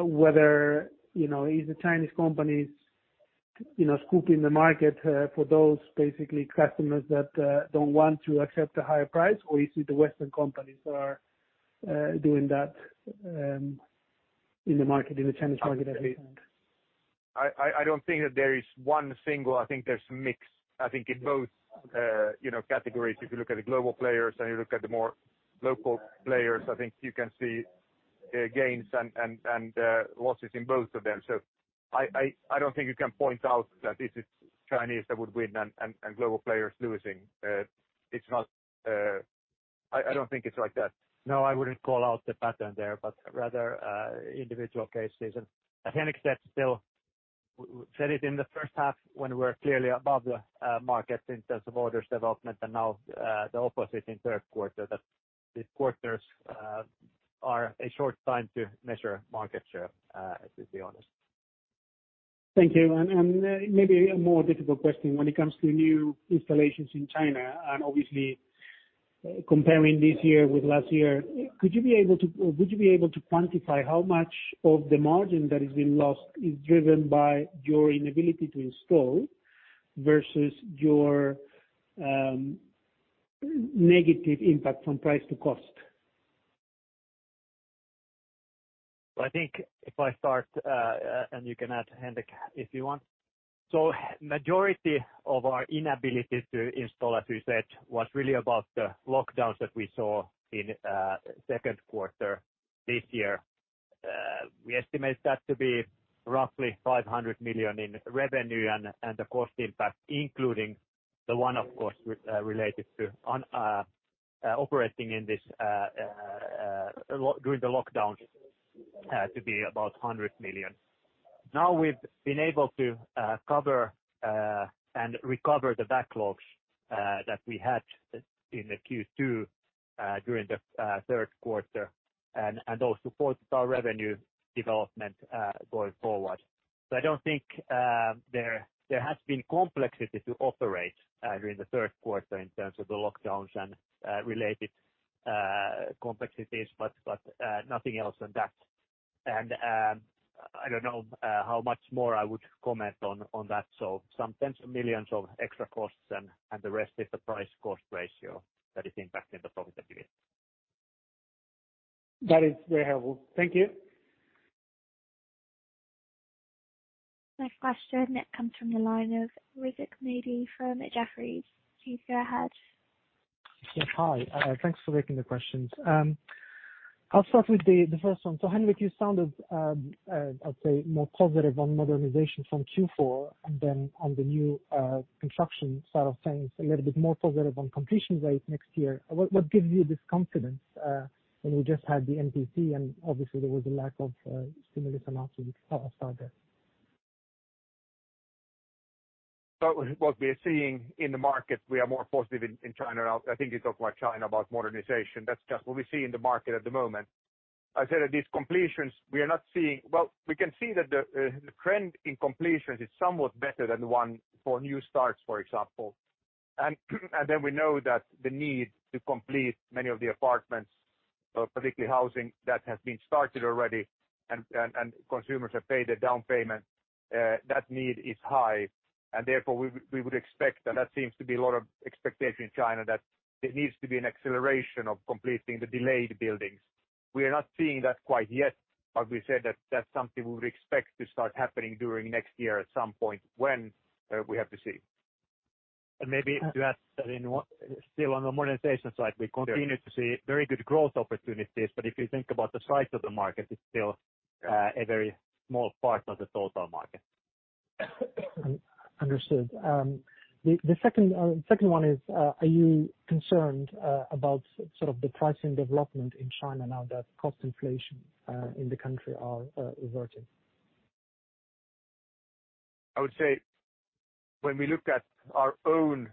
whether, you know, is the Chinese companies, you know, scooping the market for those basically customers that don't want to accept a higher price, or is it the Western companies that are doing that in the market, in the Chinese market at least? I don't think that there is one single. I think there's a mix, I think in both, you know, categories. If you look at the global players and you look at the more local players, I think you can see gains and losses in both of them. I don't think you can point out that this is Chinese that would win and global players losing. It's not. I don't think it's like that. No, I wouldn't call out the pattern there, but rather, individual cases. As Henrik said, still said it in the first half when we're clearly above the market in terms of orders development and now, the opposite in third quarter, that these quarters are a short time to measure market share, to be honest. Thank you. Maybe a more difficult question when it comes to new installations in China and obviously comparing this year with last year. Would you be able to quantify how much of the margin that has been lost is driven by your inability to install versus your negative impact from price to cost? I think if I start and you can add, Henrik, if you want. Majority of our inability to install, as we said, was really about the lockdowns that we saw in second quarter this year. We estimate that to be roughly 500 million in revenue and the cost impact, including the one, of course, related to operating in this during the lockdowns, to be about 100 million. Now we've been able to cover and recover the backlogs that we had in the Q2 during the third quarter and also support our revenue development going forward. I don't think there has been complexity to operate during the third quarter in terms of the lockdowns and related complexities, but nothing else than that. I don't know how much more I would comment on that. Some tens of millions EUR of extra costs and the rest is the price cost ratio that is impacting the profitability. That is very helpful. Thank you. Next question comes from the line of Rizk Maidi from Jefferies. Please go ahead. Yes, hi. Thanks for taking the questions. I'll start with the first one. Henrik, you sounded, I'd say more positive on modernization from Q4 than on the new construction side of things, a little bit more positive on completion rate next year. What gives you this confidence when we just had the NPC, and obviously there was a lack of stimulus amounts at the start there? What we're seeing in the market, we are more positive in China. I think you talk about China, about modernization. That's just what we see in the market at the moment. I said that these completions. Well, we can see that the trend in completions is somewhat better than the one for new starts, for example. And then we know that the need to complete many of the apartments, particularly housing, that have been started already and consumers have paid a down payment, that need is high. And therefore, we would expect, and that seems to be a lot of expectation in China, that there needs to be an acceleration of completing the delayed buildings. We are not seeing that quite yet, but we said that that's something we would expect to start happening during next year at some point. When we have to see. Maybe to add that still on the modernization side, we continue. Yeah. To see very good growth opportunities. If you think about the size of the market, it's still a very small part of the total market. Understood. The second one is, are you concerned about sort of the pricing development in China now that cost inflation in the country are reverting? I would say when we look at our own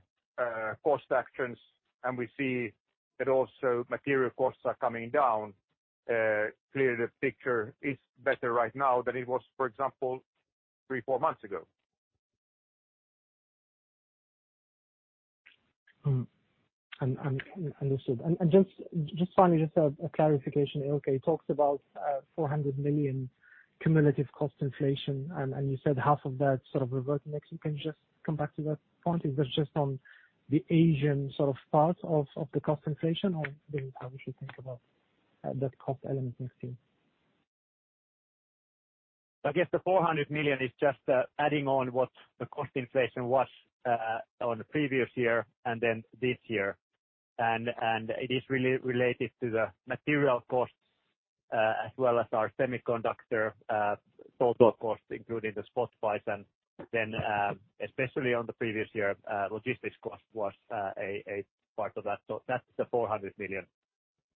cost actions, and we see that also material costs are coming down, clearly the picture is better right now than it was, for example, three, four months ago. Understood. Just finally, a clarification. Ilkka talks about 400 million cumulative cost inflation, and you said half of that sort of reverting. Actually, can you just come back to that point? If that's just on the Asian sort of part of the cost inflation, or maybe how we should think about that cost element next year. I guess the 400 million is just adding on what the cost inflation was on the previous year and then this year. It is really related to the material costs as well as our semiconductor total cost, including the spot buys. Especially on the previous year, logistics cost was a part of that. That's the 400 million.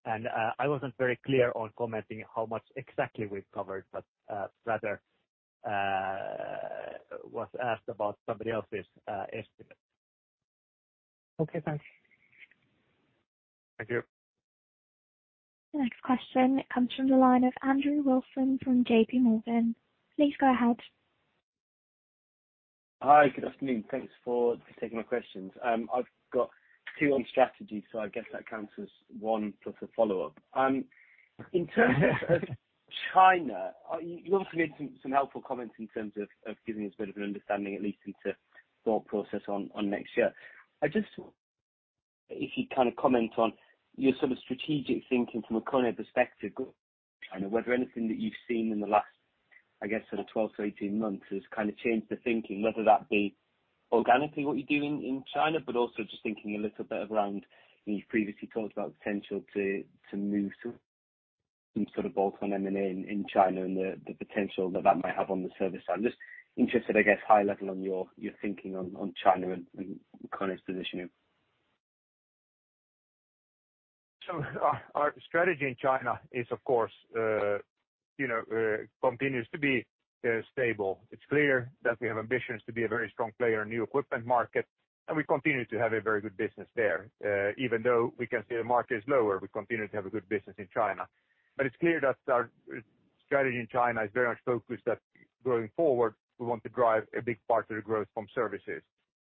I wasn't very clear on commenting how much exactly we've covered, but rather was asked about somebody else's estimate. Okay, thanks. Thank you. The next question comes from the line of Andrew Wilson from JPMorgan. Please go ahead. Hi. Good afternoon. Thanks for taking my questions. I've got two on strategy, so I guess that counts as one, plus a follow-up. In terms of China, you obviously made some helpful comments in terms of giving us a bit of an understanding, at least into thought process on next year. If you'd kind of comment on your sort of strategic thinking from a KONE perspective, I wonder whether anything that you've seen in the last, I guess sort of 12-18 months has kind of changed the thinking. Whether that be organically what you're doing in China, but also just thinking a little bit around, you've previously talked about potential to move some sort of bolt-on M&A in China and the potential that that might have on the service. I'm just interested, I guess, high level on your thinking on China and KONE's positioning. Our strategy in China is of course continues to be stable. It's clear that we have ambitions to be a very strong player in new equipment market, and we continue to have a very good business there. Even though we can see the market is lower, we continue to have a good business in China. It's clear that our strategy in China is very much focused that going forward we want to drive a big part of the growth from services.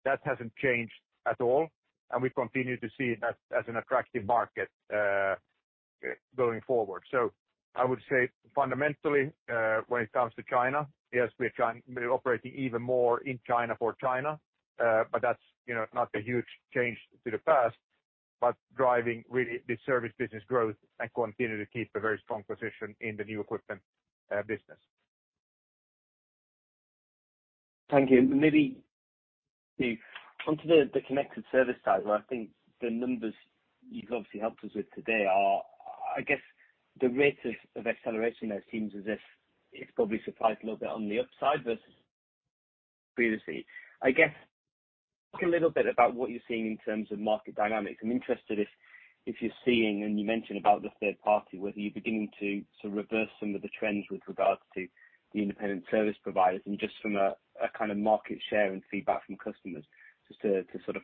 That hasn't changed at all, and we continue to see that as an attractive market going forward. I would say fundamentally, when it comes to China, yes, we're operating even more in China for China. That's, you know, not a huge change to the past, but driving really the service business growth and continue to keep a very strong position in the new equipment business. Thank you. Maybe onto the Connected Service side, where I think the numbers you've obviously helped us with today are, I guess the rate of acceleration there seems as if it's probably surprised a little bit on the upside versus previously. I guess, talk a little bit about what you're seeing in terms of market dynamics. I'm interested if you're seeing, and you mentioned about the third party, whether you're beginning to reverse some of the trends with regards to the independent service providers and just from a kind of market share and feedback from customers just to sort of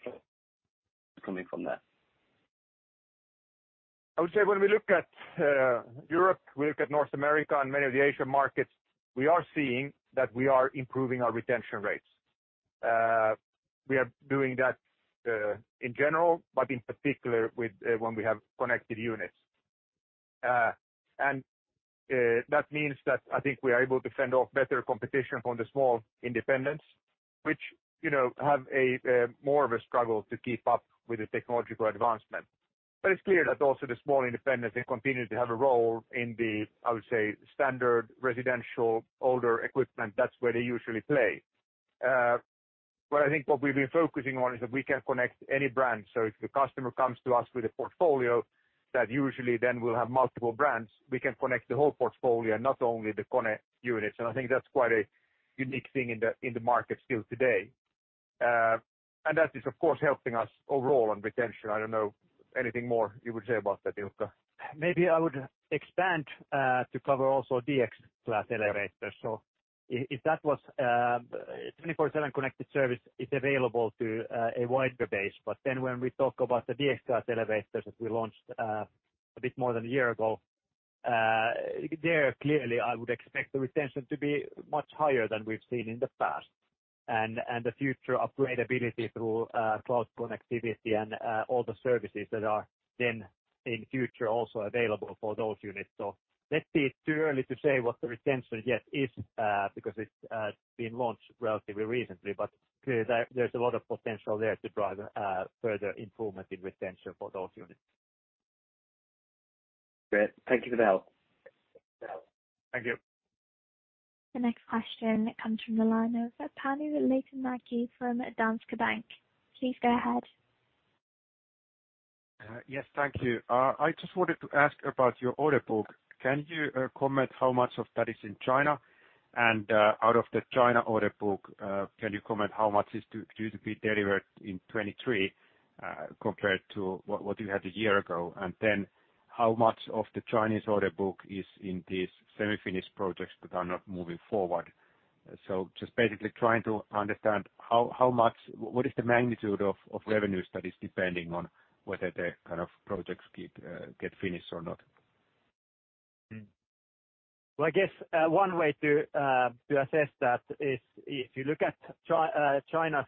coming from there. I would say when we look at Europe, we look at North America and many of the Asian markets, we are seeing that we are improving our retention rates. We are doing that in general, but in particular with when we have connected units. That means that I think we are able to fend off better competition from the small independents, which you know have a more of a struggle to keep up with the technological advancement. It's clear that also the small independents they continue to have a role in the I would say standard residential older equipment. That's where they usually play. I think what we've been focusing on is that we can connect any brand. If the customer comes to us with a portfolio that usually then will have multiple brands, we can connect the whole portfolio, not only the KONE units. I think that's quite a unique thing in the market still today. That is, of course, helping us overall on retention. I don't know anything more you would say about that, Ilkka. Maybe I would expand to cover also DX Class elevators. If that was, 24/7 Connected Services is available to a wider base. When we talk about the DX Class elevators that we launched a bit more than a year ago, there clearly I would expect the retention to be much higher than we've seen in the past. The future upgradability through cloud connectivity and all the services that are then in future also available for those units. Let's see. It's too early to say what the retention yet is because it's been launched relatively recently, but clearly there there's a lot of potential there to drive further improvement in retention for those units. Great. Thank you for that. Thank you. The next question comes from the line of Panu Laitinmäki from Danske Bank. Please go ahead. Yes, thank you. I just wanted to ask about your order book. Can you comment how much of that is in China? Out of the China order book, can you comment how much is due to be delivered in 2023, compared to what you had a year ago? How much of the Chinese order book is in these semi-finished projects that are not moving forward? Just basically trying to understand how much, what is the magnitude of revenues that is depending on whether the kind of projects get finished or not? Well, I guess one way to assess that is if you look at China's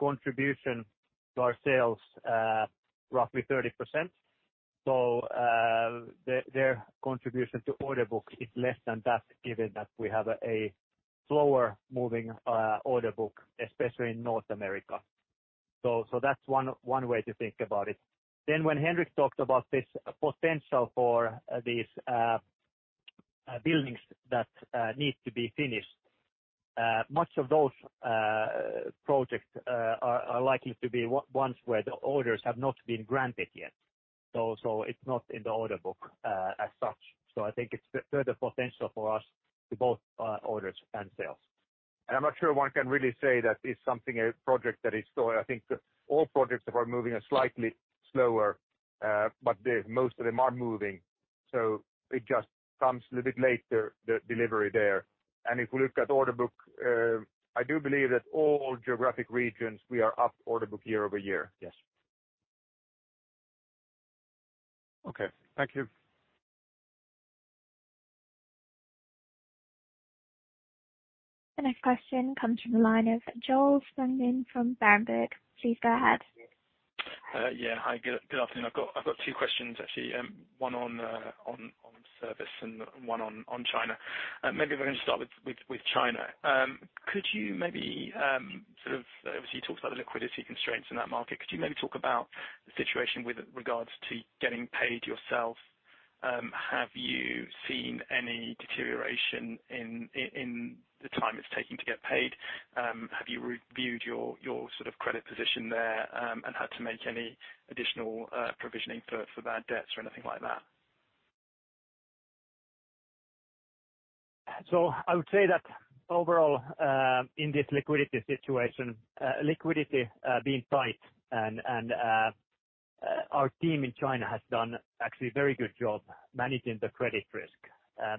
contribution to our sales, roughly 30%. Their contribution to order book is less than that, given that we have a slower moving order book, especially in North America. That's one way to think about it. When Henrik talked about this potential for these buildings that need to be finished, much of those projects are likely to be ones where the orders have not been granted yet. It's not in the order book, as such. I think it's further potential for us to both orders and sales. I'm not sure one can really say that it's something, a project that is slower. I think all projects that are moving are slightly slower, but most of them are moving, so it just comes a little bit later, the delivery there. If we look at order book, I do believe that all geographic regions we are up order book year over year. Yes. Okay. Thank you. The next question comes from the line of Joel Spungin from Berenberg. Please go ahead. Yeah. Hi. Good afternoon. I've got two questions, actually. One on service and one on China. Maybe we're gonna start with China. Could you maybe sort of, obviously you talked about the liquidity constraints in that market. Could you maybe talk about the situation with regards to getting paid yourself? Have you seen any deterioration in the time it's taking to get paid? Have you reviewed your sort of credit position there, and had to make any additional provisioning for bad debts or anything like that? I would say that overall, in this liquidity situation, liquidity being tight and our team in China has done actually a very good job managing the credit risk,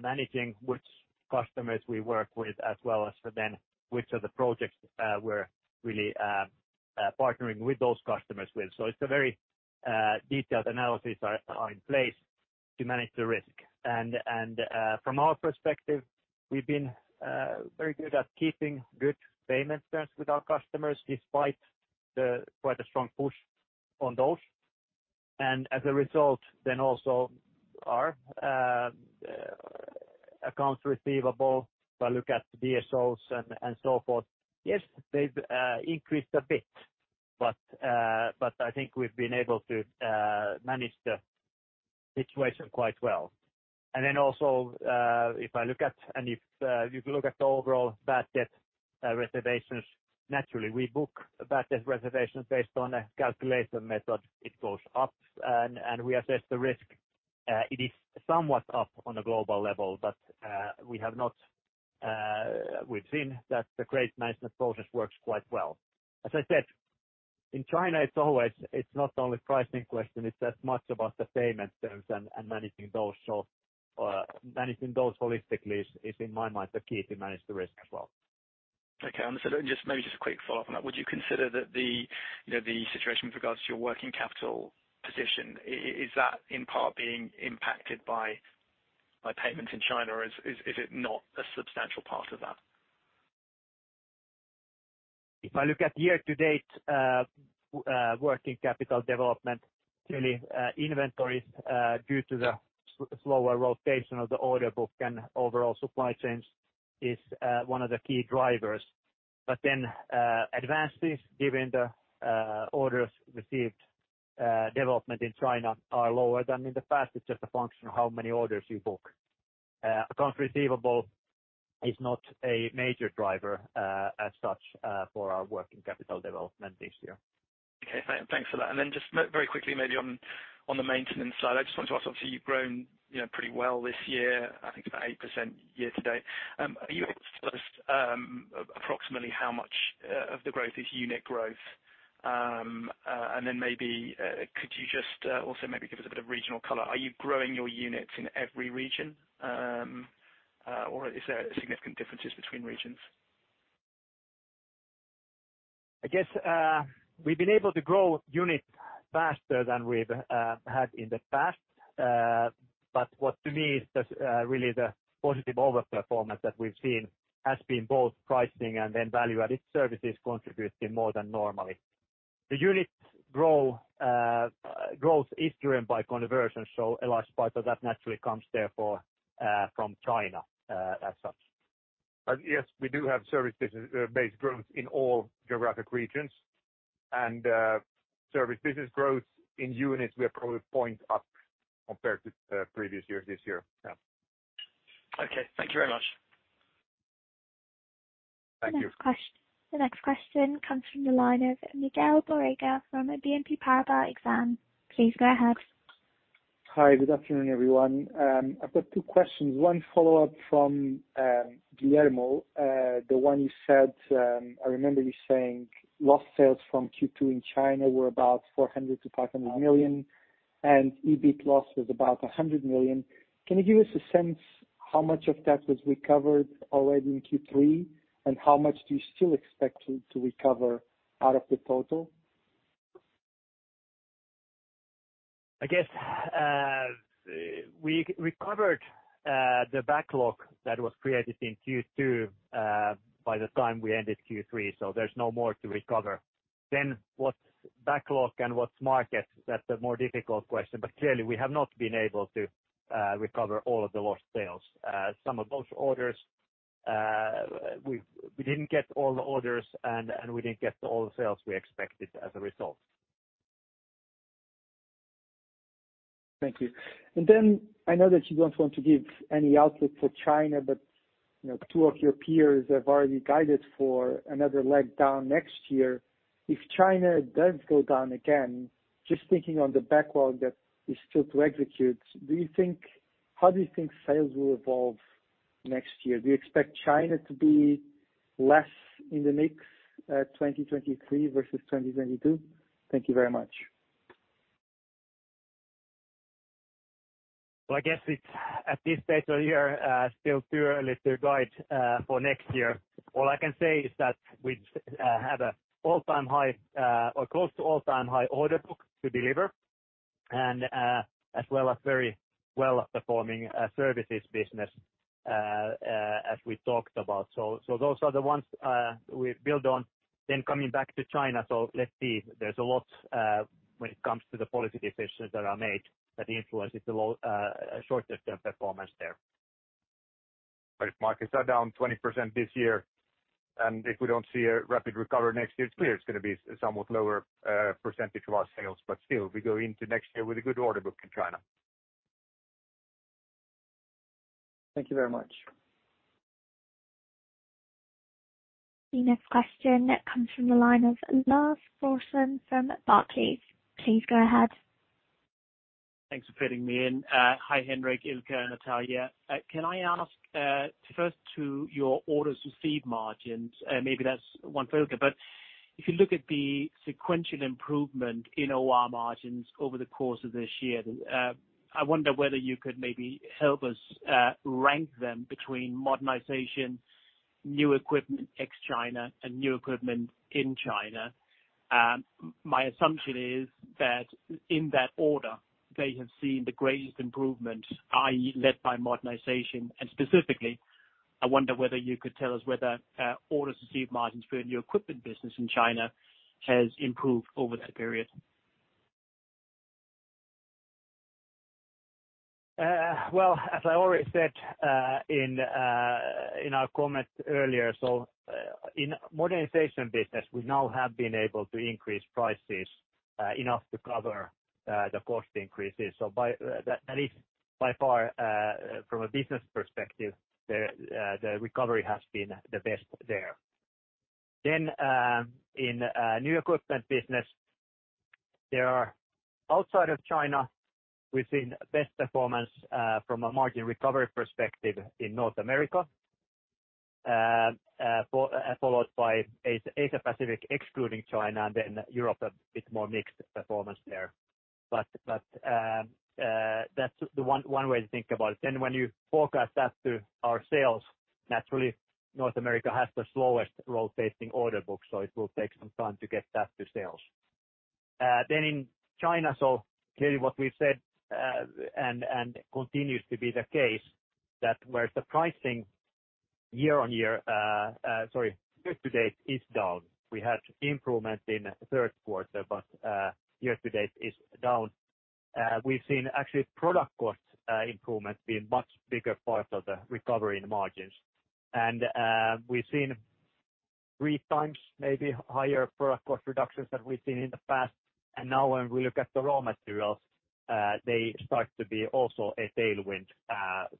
managing which customers we work with, as well as for then which of the projects we're really partnering with those customers with. It's a very detailed analysis are in place to manage the risk. From our perspective, we've been very good at keeping good payment terms with our customers despite quite a strong push on those. As a result, then also our accounts receivable, if I look at the DSO and so forth, yes, they've increased a bit, but I think we've been able to manage the situation quite well. If you look at the overall bad debt reservations, naturally, we book bad debt reservations based on a calculator method. It goes up and we assess the risk. It is somewhat up on a global level, but we've seen that the credit management process works quite well. As I said, in China, it's always, it's not only pricing question, it's as much about the payment terms and managing those. Managing those holistically is in my mind the key to manage the risk as well. Okay. Understood. Just maybe a quick follow-up on that. Would you consider that the, you know, the situation with regards to your working capital position is that in part being impacted by payments in China? Is it not a substantial part of that? If I look at year to date working capital development, clearly inventories due to the slower rotation of the order book and overall supply chains is one of the key drivers. Advances given the orders received development in China are lower than in the past. It's just a function of how many orders you book. Accounts receivable is not a major driver, as such, for our working capital development this year. Okay. Thanks for that. Then just very quickly, maybe on the maintenance side, I just want to ask, obviously, you've grown, you know, pretty well this year. I think about 8% year to date. Are you able to tell us approximately how much of the growth is unit growth? Then maybe could you just also maybe give us a bit of regional color? Are you growing your units in every region? Is there significant differences between regions? I guess, we've been able to grow units faster than we've had in the past. What to me is really the positive overperformance that we've seen has been both pricing and then value-added services contributing more than normally. The unit growth is driven by conversions, so a large part of that naturally comes therefore from China, as such. Yes, we do have service base growth in all geographic regions. Service business growth in units we are probably points up compared to previous years this year. Yeah. Okay. Thank you very much. Thank you. The next question comes from the line of Miguel Borrega from BNP Paribas Exane. Please go ahead. Hi, good afternoon, everyone. I've got two questions. One follow-up from Guillermo. The one you said, I remember you saying lost sales from Q2 in China were about 400 million-500 million, and EBIT loss was about 100 million. Can you give us a sense how much of that was recovered already in Q3? How much do you still expect to recover out of the total? I guess we recovered the backlog that was created in Q2 by the time we ended Q3, so there's no more to recover. What's backlog and what's market, that's a more difficult question. Clearly, we have not been able to recover all of the lost sales. Some of those orders, we didn't get all the orders and we didn't get all the sales we expected as a result. Thank you. I know that you don't want to give any outlook for China, but, you know, two of your peers have already guided for another leg down next year. If China does go down again, just thinking on the backlog that is still to execute, how do you think sales will evolve next year? Do you expect China to be less in the mix, 2023 versus 2022? Thank you very much. Well, I guess it's at this stage of the year still too early to guide for next year. All I can say is that we have an all-time high or close to all-time high order book to deliver as well as very well-performing services business as we talked about. Those are the ones we build on. Coming back to China, so let's see. There's a lot when it comes to the policy decisions that are made that influences the low short-term performance there. If markets are down 20% this year, and if we don't see a rapid recovery next year, it's clear it's gonna be somewhat lower percentage of our sales. Still, we go into next year with a good order book in China. Thank you very much. The next question comes from the line of Lars Brorson from Barclays. Please go ahead. Thanks for fitting me in. Hi, Henrik, Ilkka, and Natalia. Can I ask first to your orders received margins? Maybe that's one for Ilkka. If you look at the sequential improvement in OR margins over the course of this year, I wonder whether you could maybe help us rank them between modernization, new equipment ex-China, and new equipment in China. My assumption is that in that order, they have seen the greatest improvement, i.e., led by modernization. Specifically, I wonder whether you could tell us whether orders received margins for your new equipment business in China has improved over the period. Well, as I already said in our comment earlier, in modernization business, we now have been able to increase prices enough to cover the cost increases. By that is by far, from a business perspective, the recovery has been the best there. In new equipment business, there, outside of China, we've seen best performance from a margin recovery perspective in North America, followed by Asia Pacific, excluding China, and then Europe, a bit more mixed performance there. That's the one way to think about it. When you forecast that to our sales, naturally, North America has the slowest rotating order book, so it will take some time to get that to sales. In China, clearly what we've said and continues to be the case, that where the pricing year-over-year, year to date is down. We had improvement in third quarter, but year to date is down. We've seen actually product cost improvement being much bigger part of the recovery in margins. We've seen three times maybe higher product cost reductions than we've seen in the past. Now when we look at the raw materials, they start to be also a tailwind,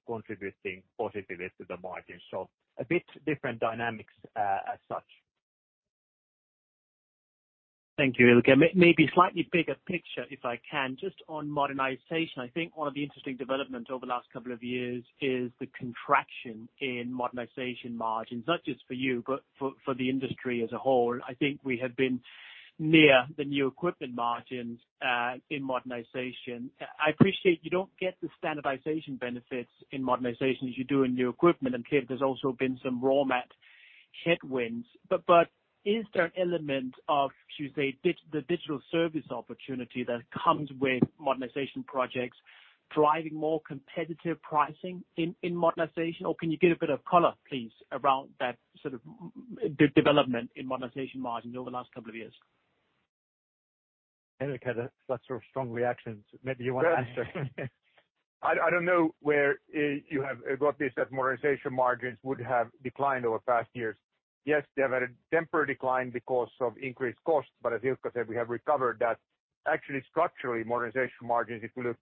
contributing positively to the margin. A bit different dynamics as such. Thank you, Ilkka. Maybe slightly bigger picture, if I can. Just on modernization. I think one of the interesting developments over the last couple of years is the contraction in modernization margins, not just for you, but for the industry as a whole. I think we have been near the new equipment margins in modernization. I appreciate you don't get the standardization benefits in modernization as you do in new equipment. Clearly there's also been some raw material headwinds. Is there an element of the digital service opportunity that comes with modernization projects driving more competitive pricing in modernization? Can you give a bit of color, please, around that sort of development in modernization margins over the last couple of years? Henrik had a lot of strong reactions. Maybe you wanna answer. I don't know where you have got this, that modernization margins would have declined over past years. Yes, they have had a temporary decline because of increased costs. As Ilkka said, we have recovered that. Actually, structurally, modernization margins, if you look,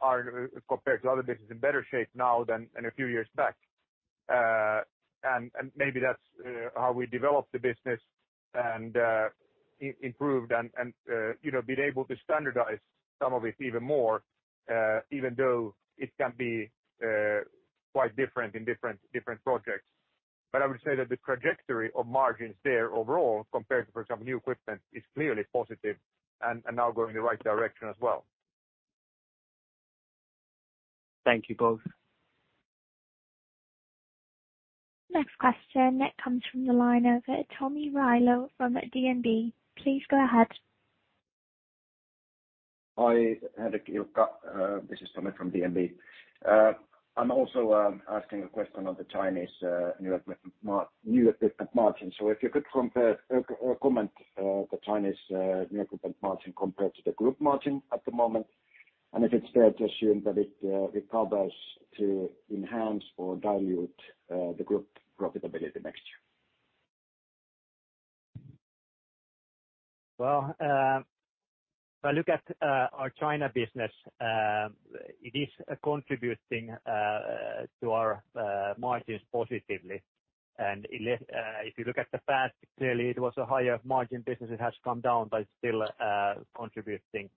are compared to other business, in better shape now than in a few years back. Maybe that's how we developed the business and improved and you know been able to standardize some of it even more, even though it can be quite different in different projects. I would say that the trajectory of margins there overall, compared to, for example, new equipment, is clearly positive and now going in the right direction as well. Thank you both. Next question. It comes from the line of Tomi Railo from DNB. Please go ahead. Hi, Henrik, Ilkka, this is Tomi from DNB. I'm also asking a question on the Chinese new equipment margin. If you could compare or comment the Chinese new equipment margin compared to the group margin at the moment, and if it's fair to assume that it recovers to enhance or dilute the group profitability next year. Well, if I look at our China business, it is contributing to our margins positively. If you look at the past, clearly it was a higher margin business. It has come down, but still contributing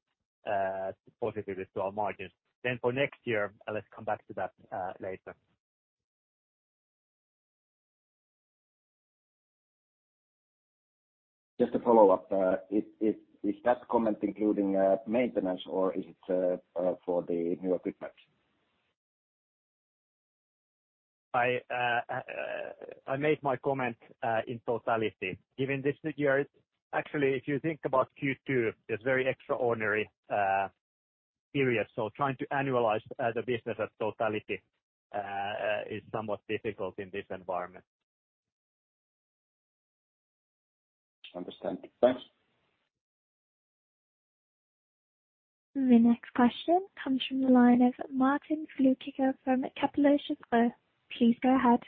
positively to our margins. For next year, let's come back to that later. Just to follow up, is that comment including maintenance or is it for the new equipment? I made my comment in totality. Given this figure, actually, if you think about Q2, it's very extraordinary period. Trying to annualize the business as totality is somewhat difficult in this environment. Understand. Thanks. The next question comes from the line of Martin Flückiger from Kepler Cheuvreux. Please go ahead.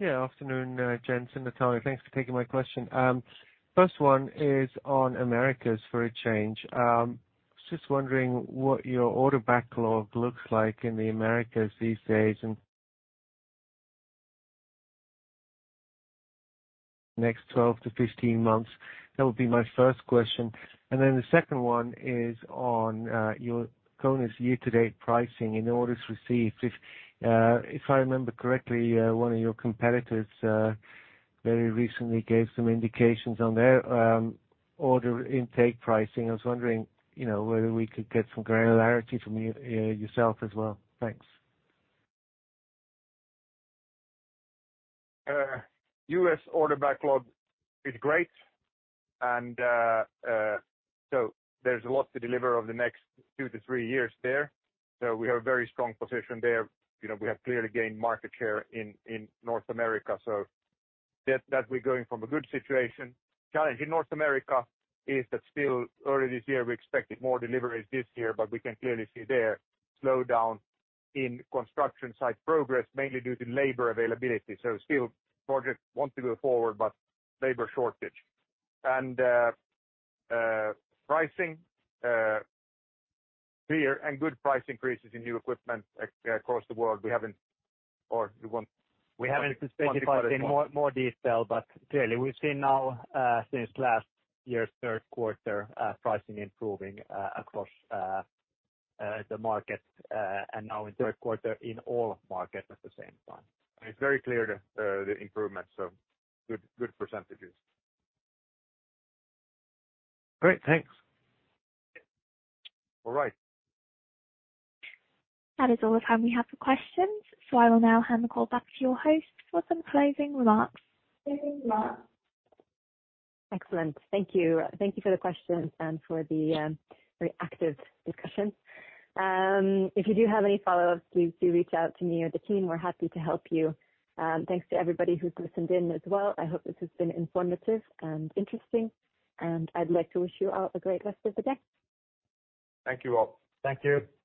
Yeah. Afternoon, gents and Natalia. Thanks for taking my question. First one is on Americas for a change. Just wondering what your order backlog looks like in the Americas these days and next 12-15 months. That would be my first question. The second one is on your KONE's year-to-date pricing in orders received. If I remember correctly, one of your competitors very recently gave some indications on their order intake pricing. I was wondering, you know, whether we could get some granularity from you yourself as well. Thanks. U.S. order backlog is great, and so there's a lot to deliver over the next two to three years there. We have a very strong position there. You know, we have clearly gained market share in North America, so that we're going from a good situation. Challenge in North America is that still early this year we expected more deliveries this year, but we can clearly see the slowdown in construction site progress, mainly due to labor availability. Still projects want to go forward, but labor shortage. Pricing, clear and good price increases in new equipment across the wold. [inaudible] We haven't specified in more detail, but clearly we've seen now since last year's third quarter pricing improving across the market, and now in third quarter in all markets at the same time. It's very clear the improvement, so good percentages. Great. Thanks. All right. That is all the time we have for questions, so I will now hand the call back to your host for some closing remarks. Excellent. Thank you. Thank you for the questions and for the very active discussion. If you do have any follow-ups, please do reach out to me or the team. We're happy to help you. Thanks to everybody who's listened in as well. I hope this has been informative and interesting, and I'd like to wish you all a great rest of the day. Thank you all. Thank you.